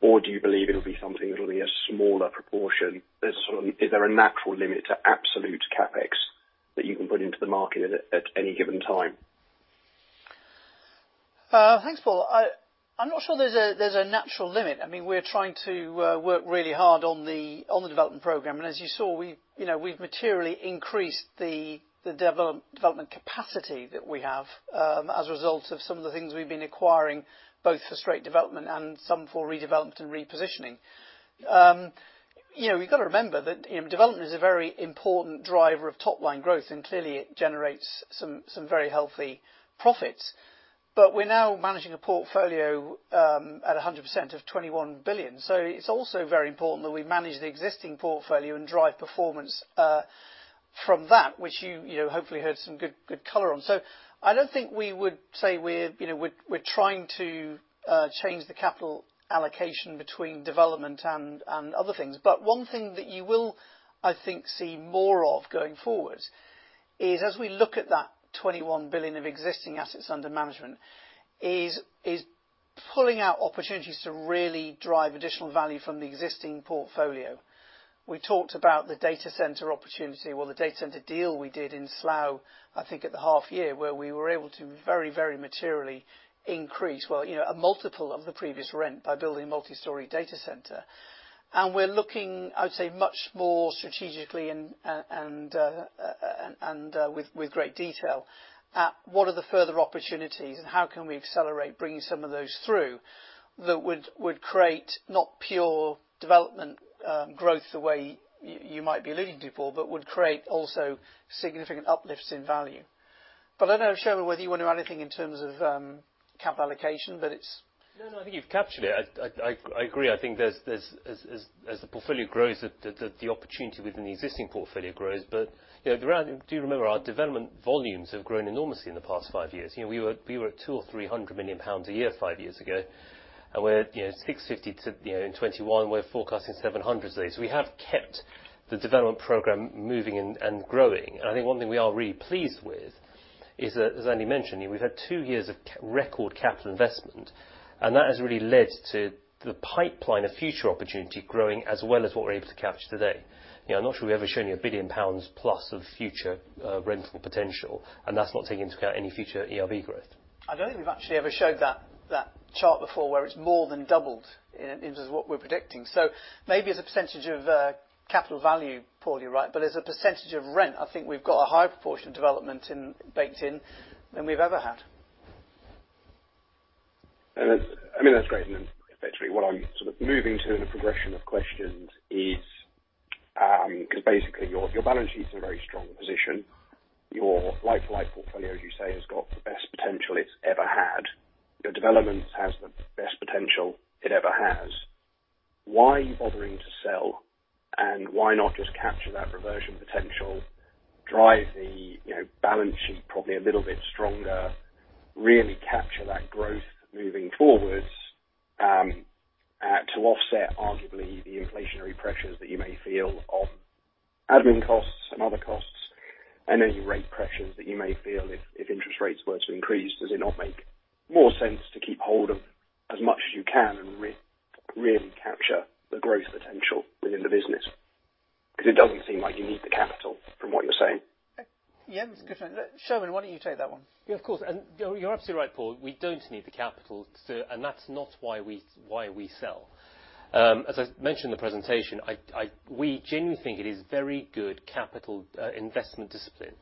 Speaker 7: or do you believe it'll be something that'll be a smaller proportion? There's sort of. Is there a natural limit to absolute CapEx that you can put into the market at any given time?
Speaker 1: Thanks, Paul. I'm not sure there's a natural limit. I mean, we're trying to work really hard on the development program. As you saw, you know, we've materially increased the development capacity that we have, as a result of some of the things we've been acquiring, both for straight development and some for redevelopment and repositioning. You know, you've got to remember that, you know, development is a very important driver of top-line growth, and clearly it generates some very healthy profits. We're now managing a portfolio at 100% of 21 billion. It's also very important that we manage the existing portfolio and drive performance from that, which you know, hopefully heard some good color on. I don't think we would say we're trying to change the capital allocation between development and other things. One thing that you will, I think, see more of going forward is as we look at that 21 billion of existing assets under management pulling out opportunities to really drive additional value from the existing portfolio. We talked about the data center opportunity, well, the data center deal we did in Slough, I think at the half year, where we were able to very materially increase, well, you know, a multiple of the previous rent by building a multi-story data center. We're looking, I would say, much more strategically and with great detail at what are the further opportunities and how can we accelerate bringing some of those through that would create not pure development growth the way you might be alluding to, Paul, but would create also significant uplifts in value. I don't know, Soumen, whether you wanna add anything in terms of cap allocation, but it's-
Speaker 2: No, I think you've captured it. I agree. I think there's, as the portfolio grows, the opportunity within the existing portfolio grows. You know, do remember our development volumes have grown enormously in the past five years. You know, we were at 200-300 million pounds a year five years ago, and we're at, you know, 650 million to, you know, in 2021, we're forecasting 700 million. We have kept the development program moving and growing. I think one thing we are really pleased with is that, as Andy mentioned, you know, we've had two years of record capital investment, and that has really led to the pipeline of future opportunity growing as well as what we're able to capture today. You know, I'm not sure we've ever shown you 1 billion pounds plus of future rental potential, and that's not taking into account any future ERV growth.
Speaker 1: I don't think we've actually ever showed that chart before where it's more than doubled in terms of what we're predicting. Maybe as a percentage of capital value, Paul, you're right. As a percentage of rent, I think we've got a higher proportion of development income baked in than we've ever had.
Speaker 7: I mean, that's great. Actually, what I'm sort of moving to in the progression of questions is, 'cause basically your balance sheet's in a very strong position. Your like-for-like portfolio, as you say, has got the best potential it's ever had. Your development has the best potential it ever has. Why are you bothering to sell, and why not just capture that reversion potential, drive the, you know, balance sheet probably a little bit stronger, really capture that growth moving forward, to offset arguably the inflationary pressures that you may feel on admin costs and other costs, and any rate pressures that you may feel if interest rates were to increase? Does it not make more sense to keep hold of as much as you can and really capture the growth potential within the business? Because it doesn't seem like you need the capital from what you're saying.
Speaker 1: Yeah, that's a good point. Soumen, why don't you take that one?
Speaker 2: Yeah, of course. You're absolutely right, Paul. We don't need the capital, and that's not why we sell. As I mentioned in the presentation, we genuinely think it is very good capital investment discipline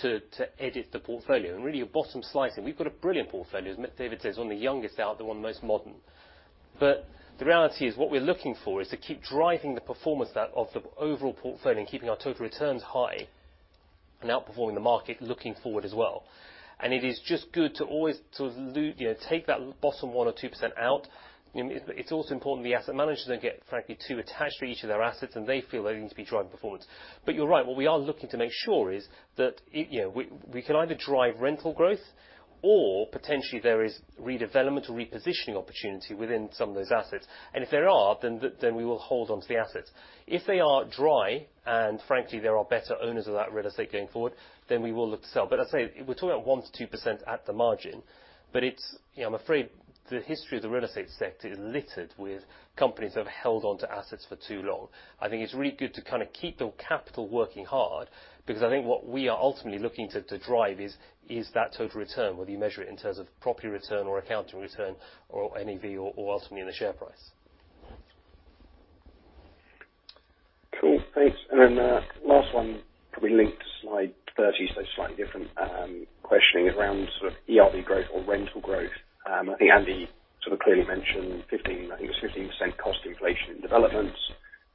Speaker 2: to edit the portfolio and really we're bottom slicing. We've got a brilliant portfolio, as David says, one of the youngest out there, one of the most modern. The reality is, what we're looking for is to keep driving the performance of the overall portfolio and keeping our total returns high and outperforming the market looking forward as well. It is just good to always sort of you know, take that bottom 1% or 2% out. I mean, it's also important the asset managers don't get, frankly, too attached to each of their assets, and they feel they need to be driving performance. You're right. What we are looking to make sure is that, you know, we can either drive rental growth or potentially there is redevelopment or repositioning opportunity within some of those assets. If there are, then we will hold onto the assets. If they are dry, and frankly, there are better owners of that real estate going forward, then we will look to sell. As I say, we're talking about 1%-2% at the margin, but it's. You know, I'm afraid the history of the real estate sector is littered with companies that have held onto assets for too long. I think it's really good to kinda keep your capital working hard, because I think what we are ultimately looking to drive is that total return, whether you measure it in terms of property return or accounting return or NAV or ultimately in the share price.
Speaker 7: Cool, thanks. Last one, probably linked to slide 30, so slightly different, questioning around sort of ERV growth or rental growth. I think Andy sort of clearly mentioned 15, I think it was 15% cost inflation in developments,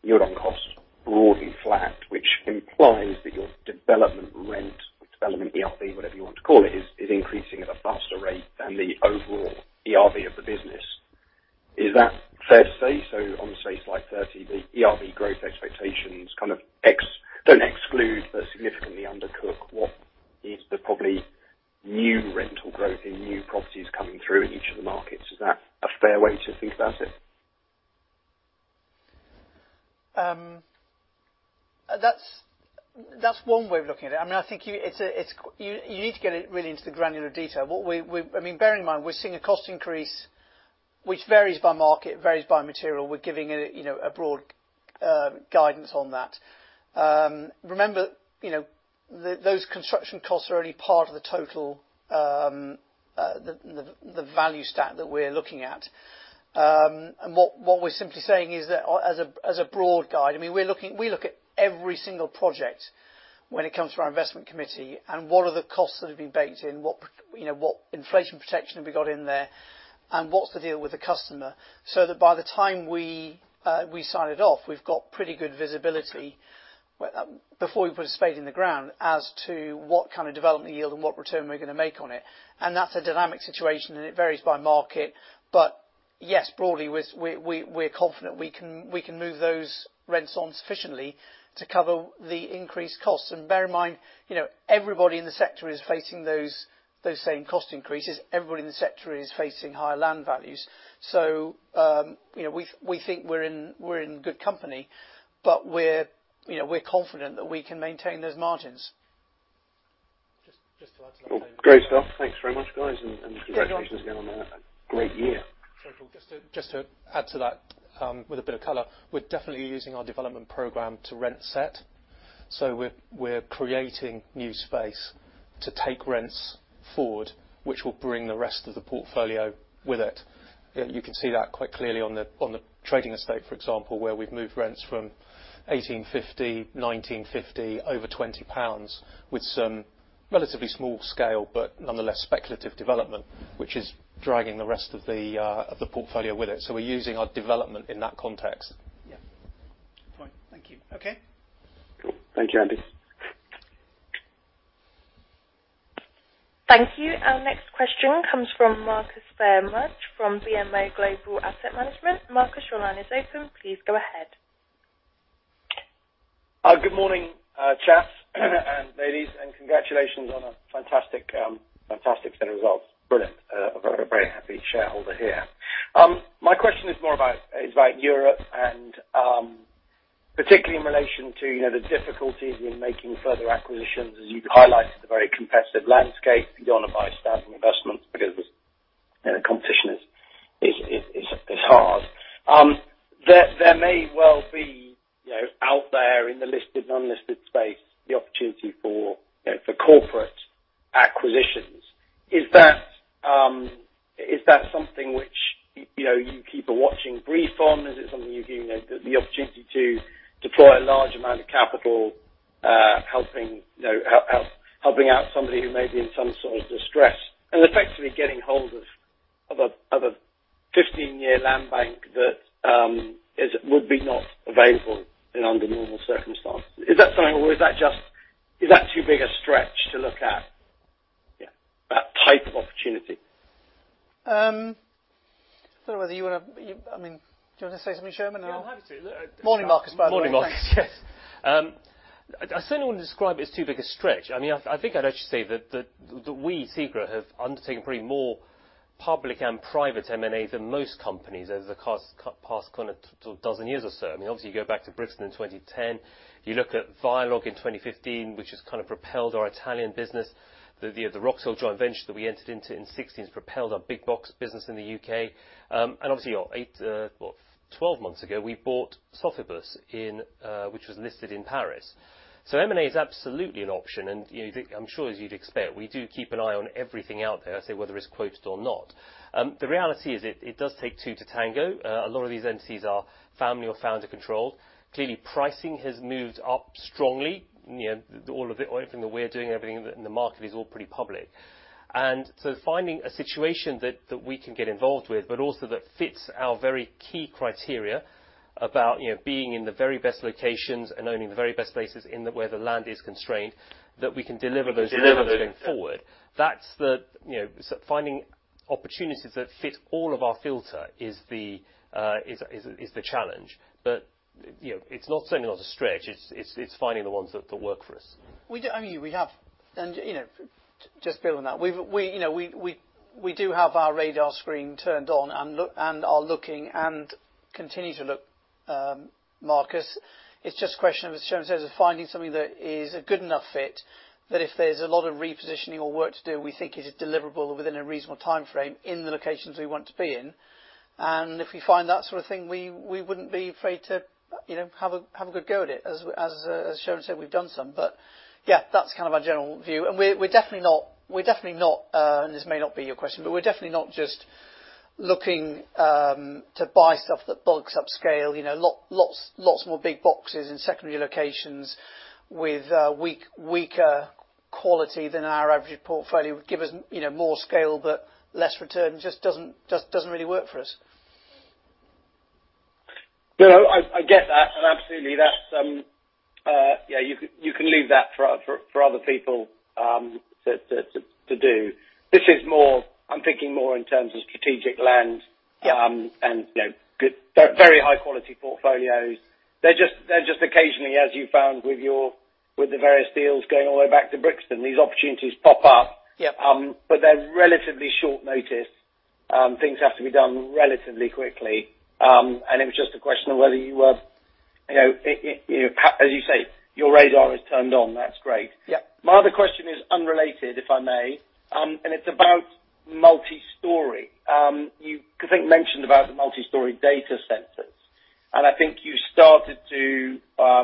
Speaker 7: year-on-cost broadly flat, which implies that your development rent, development ERV, whatever you want to call it, is increasing at a faster rate than the overall ERV of the business. Is that fair to say? On, say, slide 30, the ERV growth expectations kind of don't exclude but significantly undercook what is probably the new rental growth in new properties coming through in each of the markets. Is that a fair way to think about it?
Speaker 1: That's one way of looking at it. I mean, you need to get it really into the granular detail. I mean, bear in mind, we're seeing a cost increase, which varies by market, varies by material. We're giving it, you know, a broad guidance on that. Remember, you know, those construction costs are only part of the total value stack that we're looking at. What we're simply saying is that as a broad guide, I mean, we look at every single project when it comes to our investment committee and what are the costs that have been baked in, what, you know, what inflation protection have we got in there, and what's the deal with the customer. That by the time we sign it off, we've got pretty good visibility before we put a spade in the ground, as to what kind of development yield and what return we're gonna make on it. That's a dynamic situation, and it varies by market. Yes, broadly, we're confident we can move those rents on sufficiently to cover the increased costs. Bear in mind, you know, everybody in the sector is facing those same cost increases. Everybody in the sector is facing higher land values. You know, we think we're in good company, but you know, we're confident that we can maintain those margins.
Speaker 3: Just to add to that point.
Speaker 7: Great stuff. Thanks very much, guys. Congratulations.
Speaker 1: Great...
Speaker 7: again on a great year.
Speaker 3: Sorry, Paul. Just to add to that, with a bit of color, we're definitely using our development program to reset. We're creating new space to take rents forward, which will bring the rest of the portfolio with it. You know, you can see that quite clearly on the trading estate, for example, where we've moved rents from 18.50 over 20 pounds with some relatively small scale, but nonetheless speculative development, which is dragging the rest of the portfolio with it. We're using our development in that context.
Speaker 1: Yeah. Good point. Thank you. Okay.
Speaker 7: Cool. Thank you, Andy.
Speaker 6: Thank you. Our next question comes from Marcus Phayre-Mudge from BMO Global Asset Management. Marcus, your line is open. Please go ahead.
Speaker 8: Good morning, chaps and ladies, and congratulations on a fantastic set of results. Brilliant. A very happy shareholder here. My question is more about Europe and particularly in relation to the difficulties in making further acquisitions, as you've highlighted the very competitive landscape beyond buying a standing investment because the competition is hard. There may well be out there in the listed and unlisted space the opportunity for corporate acquisitions. Is that something which you keep a watching brief on? Is it something you view, you know, the opportunity to deploy a large amount of capital, helping you know, helping out somebody who may be in some sort of distress and effectively getting hold of a 15-year land bank that would be not available, you know, under normal circumstances. Is that something, or is that just too big a stretch to look at? Yeah, that type of opportunity.
Speaker 1: I don't know whether you wanna, I mean, do you wanna say something, Soumen Das?
Speaker 2: Yeah, I'm happy to.
Speaker 1: Morning, Marcus, by the way.
Speaker 2: Morning, Marcus. Yes. I certainly wouldn't describe it as too big a stretch. I mean, I think I'd actually say that we, SEGRO, have undertaken probably more public and private M&A than most companies over the past kind of dozen years or so. I mean, obviously, you go back to Brixton in 2010, you look at Vailog in 2015, which has kind of propelled our Italian business. The Roxhill joint venture that we entered into in 2016 has propelled our big box business in the U.K. And obviously, you know, 12 months ago, we bought Sofibus, which was listed in Paris. M&A is absolutely an option, and, you know, I'm sure as you'd expect, we do keep an eye on everything out there. I say whether it's quoted or not. The reality is it does take two to tango. A lot of these entities are family or founder controlled. Clearly, pricing has moved up strongly. You know, all of it, everything that we're doing, everything in the market is all pretty public. Finding a situation that we can get involved with, but also that fits our very key criteria about, you know, being in the very best locations and owning the very best places where the land is constrained, that we can deliver those-
Speaker 1: Deliver those.
Speaker 2: Going forward. That's the challenge. You know, finding opportunities that fit all of our filter is the challenge. You know, it's not, certainly not a stretch. It's finding the ones that work for us.
Speaker 1: I mean, we have you know just building on that we you know do have our radar screen turned on and are looking and continue to look Marcus. It's just a question, as Soumen says, of finding something that is a good enough fit that if there's a lot of repositioning or work to do, we think it is deliverable within a reasonable timeframe in the locations we want to be in. If we find that sort of thing, we wouldn't be afraid to you know have a good go at it. As Soumen said, we've done some. Yeah, that's kind of our general view. This may not be your question, but we're definitely not just looking to buy stuff that bulks up scale, you know, lots more big boxes in secondary locations with weaker quality than our average portfolio would give us, you know, more scale but less return. Just doesn't really work for us.
Speaker 8: No, I get that. Absolutely, that's yeah, you can leave that for other people to do. This is more, I'm thinking more in terms of strategic land.
Speaker 1: Yeah.
Speaker 8: You know, good very high quality portfolios. They're just occasionally, as you found with the various deals going all the way back to Brixton, these opportunities pop up.
Speaker 1: Yeah.
Speaker 8: They're relatively short notice. Things have to be done relatively quickly. It was just a question of whether you were, you know. As you say, your radar is turned on. That's great.
Speaker 1: Yeah.
Speaker 8: My other question is unrelated, if I may. It's about multistory. You, I think, mentioned about the multistory data centers. I think you started to, I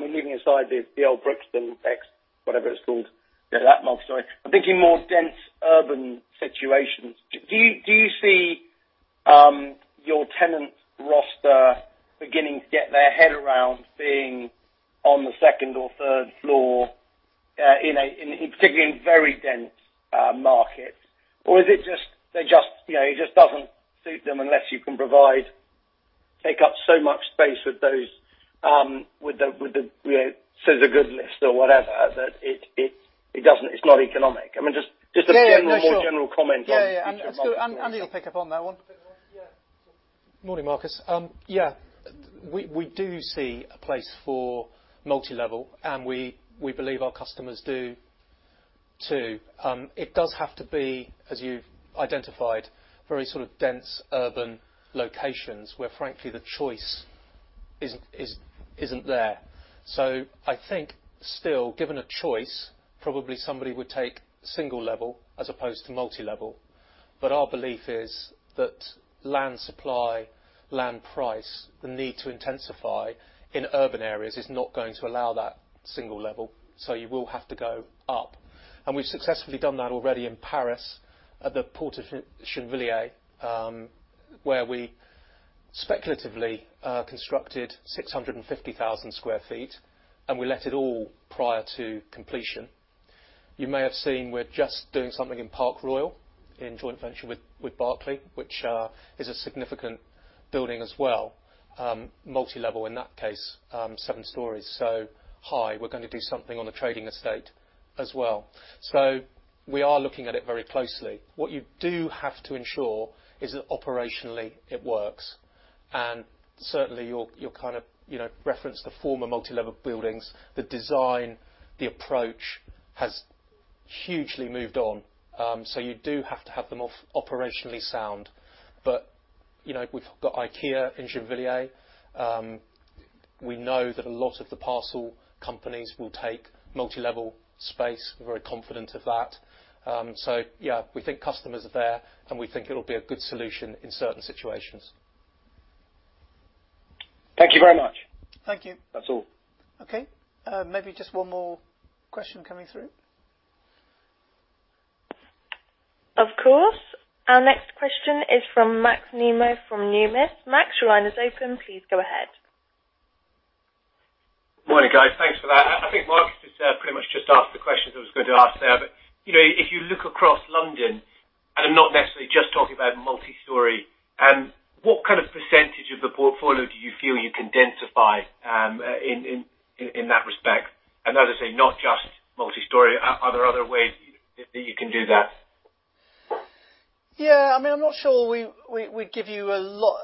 Speaker 8: mean, leaving aside the old Brixton ex whatever it's called, you know, that multistory. I'm thinking more dense urban situations. Do you see your tenants' roster beginning to get their head around being on the second or third floor, particularly in very dense markets? Or is it just they just, you know, it just doesn't suit them unless you can provide take up so much space with those with the, you know, service goods lifts or whatever, that it doesn't. It's not economic. I mean, just a-
Speaker 1: Yeah, yeah. No, sure.
Speaker 8: General, more general comment on future multistory.
Speaker 1: Yeah. Andrew will pick up on that one.
Speaker 3: Pick up on, yeah, sure. Morning, Marcus. Yeah, we do see a place for multilevel, and we believe our customers do too. It does have to be, as you've identified, very sort of dense urban locations where frankly the choice isn't there. I think still, given a choice, probably somebody would take single level as opposed to multilevel. But our belief is that land supply, land price, the need to intensify in urban areas is not going to allow that single level, so you will have to go up. We've successfully done that already in Paris at the Port de Gennevilliers, where we speculatively constructed 650,000 sq ft, and we let it all prior to completion. You may have seen we're just doing something in Park Royal in joint venture with Barratt, which is a significant building as well. Multilevel, in that case, seven stories, so high. We're gonna do something on the trading estate as well. We are looking at it very closely. What you do have to ensure is that operationally it works. Certainly, your kind of, you know, reference to former multilevel buildings, the design, the approach, has hugely moved on. You do have to have them operationally sound. You know, we've got IKEA in Gennevilliers. We know that a lot of the parcel companies will take multilevel space. We're very confident of that. Yeah, we think customers are there, and we think it'll be a good solution in certain situations.
Speaker 8: Thank you very much.
Speaker 1: Thank you.
Speaker 8: That's all.
Speaker 1: Okay. Maybe just one more question coming through.
Speaker 6: Of course. Our next question is from Max Nimmo from Numis. Max, your line is open. Please go ahead.
Speaker 9: Morning, guys. Thanks for that. I think Marcus has pretty much just asked the questions I was going to ask there. You know, if you look across London, and I'm not necessarily just talking about multistory, what kind of percentage of the portfolio do you feel you can densify in that respect? As I say, not just multistory. Are there other ways that you can do that?
Speaker 1: I mean, I'm not sure we give you a lot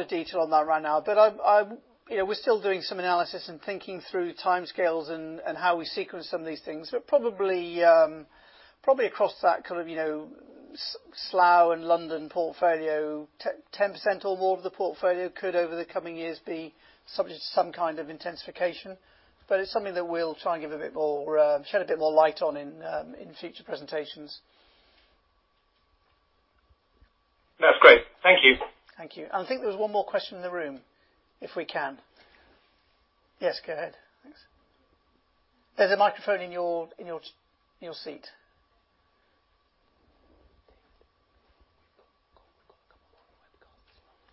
Speaker 1: of detail on that right now. I'm, you know, we're still doing some analysis and thinking through timescales and how we sequence some of these things. Probably across that kind of, you know, Slough and London portfolio, 10% or more of the portfolio could, over the coming years, be subject to some kind of intensification. It's something that we'll try and give a bit more, shed a bit more light on in future presentations.
Speaker 9: That's great. Thank you.
Speaker 1: Thank you. I think there was one more question in the room, if we can. Yes, go ahead. Thanks. There's a microphone in your seat.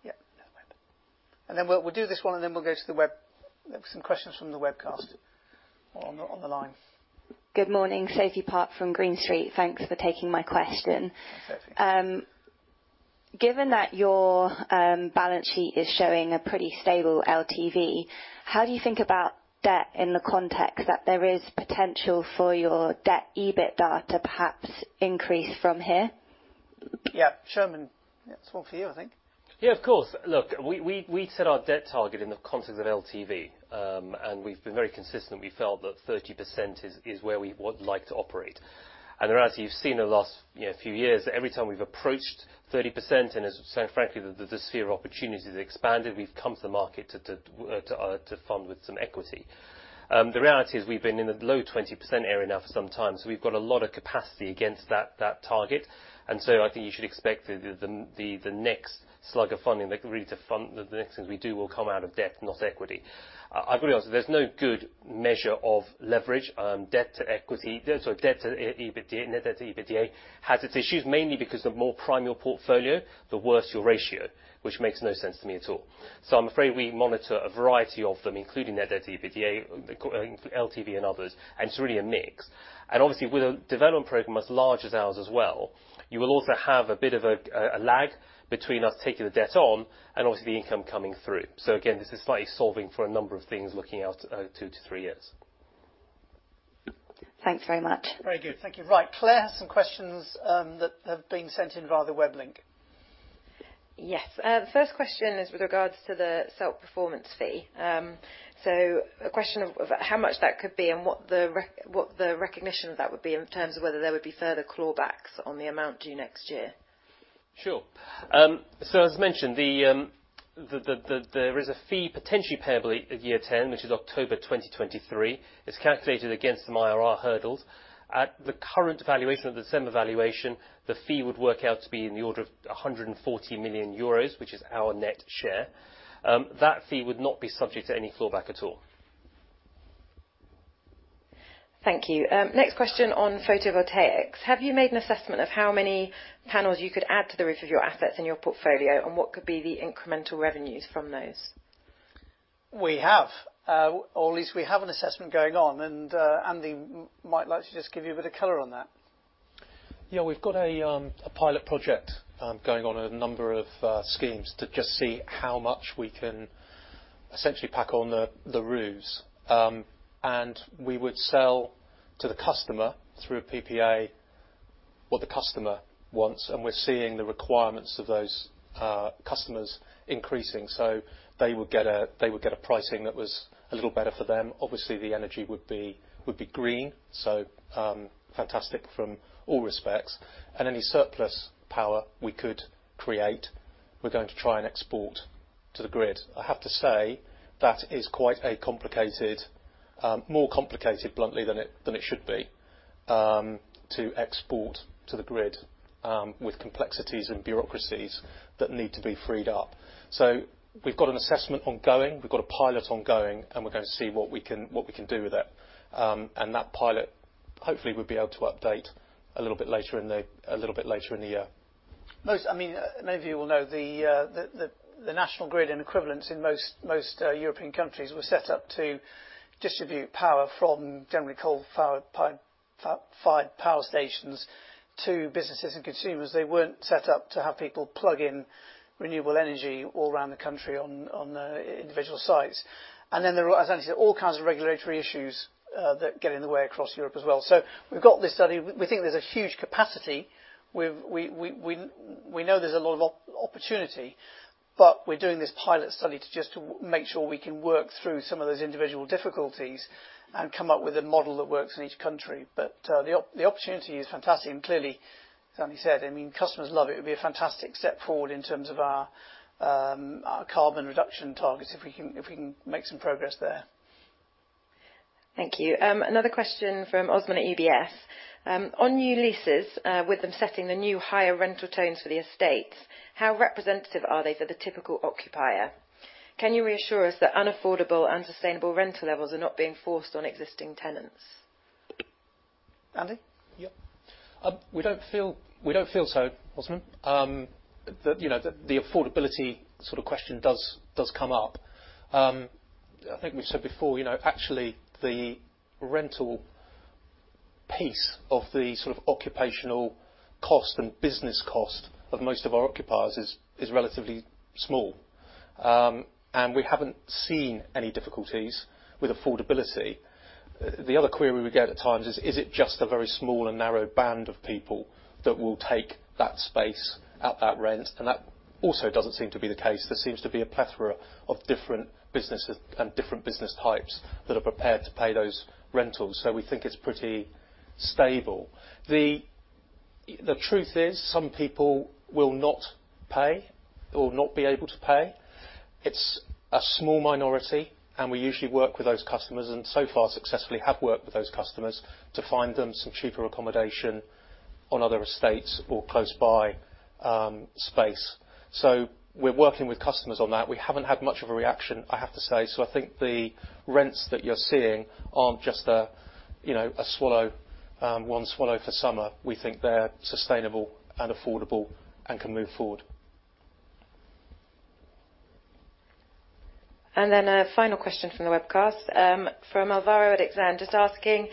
Speaker 1: Yep. We'll do this one, and then we'll go to the web. There were some questions from the webcast or on the line.
Speaker 10: Good morning. Sophie Park from Green Street. Thanks for taking my question.
Speaker 1: Hi, Sophie.
Speaker 10: Given that your balance sheet is showing a pretty stable LTV, how do you think about debt in the context that there is potential for your debt EBITDA to perhaps increase from here?
Speaker 1: Yeah, Soumen. It's more for you, I think.
Speaker 2: Yeah, of course. Look, we set our debt target in the context of LTV. We've been very consistent. We felt that 30% is where we would like to operate. As you've seen in the last, you know, few years, every time we've approached 30%, so frankly, the sphere of opportunity has expanded, we've come to the market to fund with some equity. The reality is we've been in the low 20% area now for some time, so we've got a lot of capacity against that target. I think you should expect the next slug of funding to fund the next things we do will come out of debt, not equity. I've got to be honest, there's no good measure of leverage, debt to equity. Debt to EBITDA, net debt to EBITDA has its issues, mainly because the more prime your portfolio, the worse your ratio, which makes no sense to me at all. I'm afraid we monitor a variety of them, including net debt to EBITDA, including LTV and others, and it's really a mix. Obviously, with a development program as large as ours as well, you will also have a bit of a lag between us taking the debt on and obviously the income coming through. Again, this is slightly solving for a number of things looking out 2-3 years.
Speaker 10: Thanks very much.
Speaker 1: Very good. Thank you. Right. Claire has some questions that have been sent in via the web link.
Speaker 11: Yes. The first question is with regards to the SELP performance fee. A question of how much that could be and what the recognition of that would be in terms of whether there would be further clawbacks on the amount due next year.
Speaker 2: Sure. As mentioned, there is a fee potentially payable at 10 years, which is October 2023. It's calculated against some IRR hurdles. At the current valuation, at the December valuation, the fee would work out to be in the order of 140 million euros, which is our net share. That fee would not be subject to any clawback at all.
Speaker 11: Thank you. Next question on photovoltaics. Have you made an assessment of how many panels you could add to the roof of your assets in your portfolio, and what could be the incremental revenues from those?
Speaker 1: We have. Or at least we have an assessment going on, and Andy might like to just give you a bit of color on that.
Speaker 3: Yeah, we've got a pilot project going on in a number of schemes to just see how much we can essentially pack on the roofs. We would sell to the customer through PPA what the customer wants, and we're seeing the requirements of those customers increasing. They would get a pricing that was a little better for them. Obviously, the energy would be green, so fantastic from all respects. Any surplus power we could create, we're going to try and export to the grid. I have to say, that is quite a complicated, more complicated, bluntly, than it should be to export to the grid, with complexities and bureaucracies that need to be freed up. We've got an assessment ongoing, we've got a pilot ongoing, and we're gonna see what we can do with it. That pilot, hopefully, we'll be able to update a little bit later in the year.
Speaker 1: Most, I mean, many of you will know the National Grid and equivalents in most European countries were set up to distribute power from generally coal-fired power stations to businesses and consumers. They weren't set up to have people plug in renewable energy all around the country on individual sites. There are, as Anthony said, all kinds of regulatory issues that get in the way across Europe as well. We've got this study. We think there's a huge capacity. We know there's a lot of opportunity, but we're doing this pilot study to just make sure we can work through some of those individual difficulties and come up with a model that works in each country. The opportunity is fantastic, and clearly, as Andy said, I mean, customers love it. It would be a fantastic step forward in terms of our carbon reduction targets if we can make some progress there.
Speaker 11: Thank you. Another question from Osman at UBS. On new leases, with them setting the new higher rental terms for the estates, how representative are they for the typical occupier? Can you reassure us that unaffordable and sustainable rental levels are not being forced on existing tenants?
Speaker 1: Andy?
Speaker 3: We don't feel so, Osman. The affordability sort of question does come up. I think we've said before, you know, actually the rental piece of the sort of occupational cost and business cost of most of our occupiers is relatively small. We haven't seen any difficulties with affordability. The other query we get at times is it just a very small and narrow band of people that will take that space at that rent? That also doesn't seem to be the case. There seems to be a plethora of different businesses and different business types that are prepared to pay those rentals. We think it's pretty stable. The truth is some people will not pay or not be able to pay. It's a small minority, and we usually work with those customers, and so far successfully have worked with those customers to find them some cheaper accommodation on other estates or close by space. We're working with customers on that. We haven't had much of a reaction, I have to say. I think the rents that you're seeing aren't just a, you know, a swallow, one swallow for summer. We think they're sustainable and affordable and can move forward.
Speaker 11: A final question from the webcast, from Alvaro at Exane. Just asking,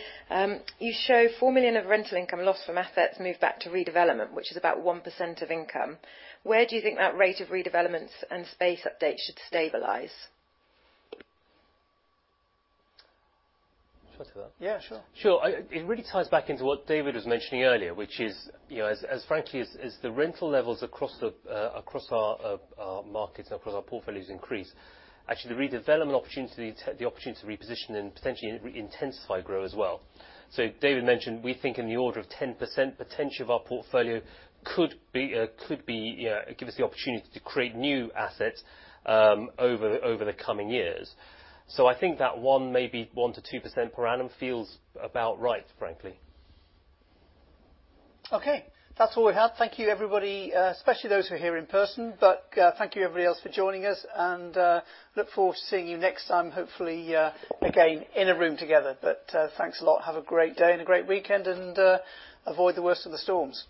Speaker 11: you show 4 million of rental income lost from assets moved back to redevelopment, which is about 1% of income. Where do you think that rate of redevelopments and space updates should stabilize?
Speaker 2: Should I take that?
Speaker 3: Yeah, sure.
Speaker 2: Sure. It really ties back into what David was mentioning earlier, which is, you know, frankly, as the rental levels across our markets and across our portfolios increase, actually the redevelopment opportunity, the opportunity to reposition and potentially intensify growth as well. David mentioned we think in the order of 10% potentially of our portfolio could give us the opportunity to create new assets over the coming years. I think that 1 maybe 1%-2% per annum feels about right, frankly.
Speaker 3: Okay, that's all we have. Thank you everybody, especially those who are here in person. Thank you everybody else for joining us, and I look forward to seeing you next time hopefully, again in a room together. Thanks a lot. Have a great day and a great weekend, and avoid the worst of the storms.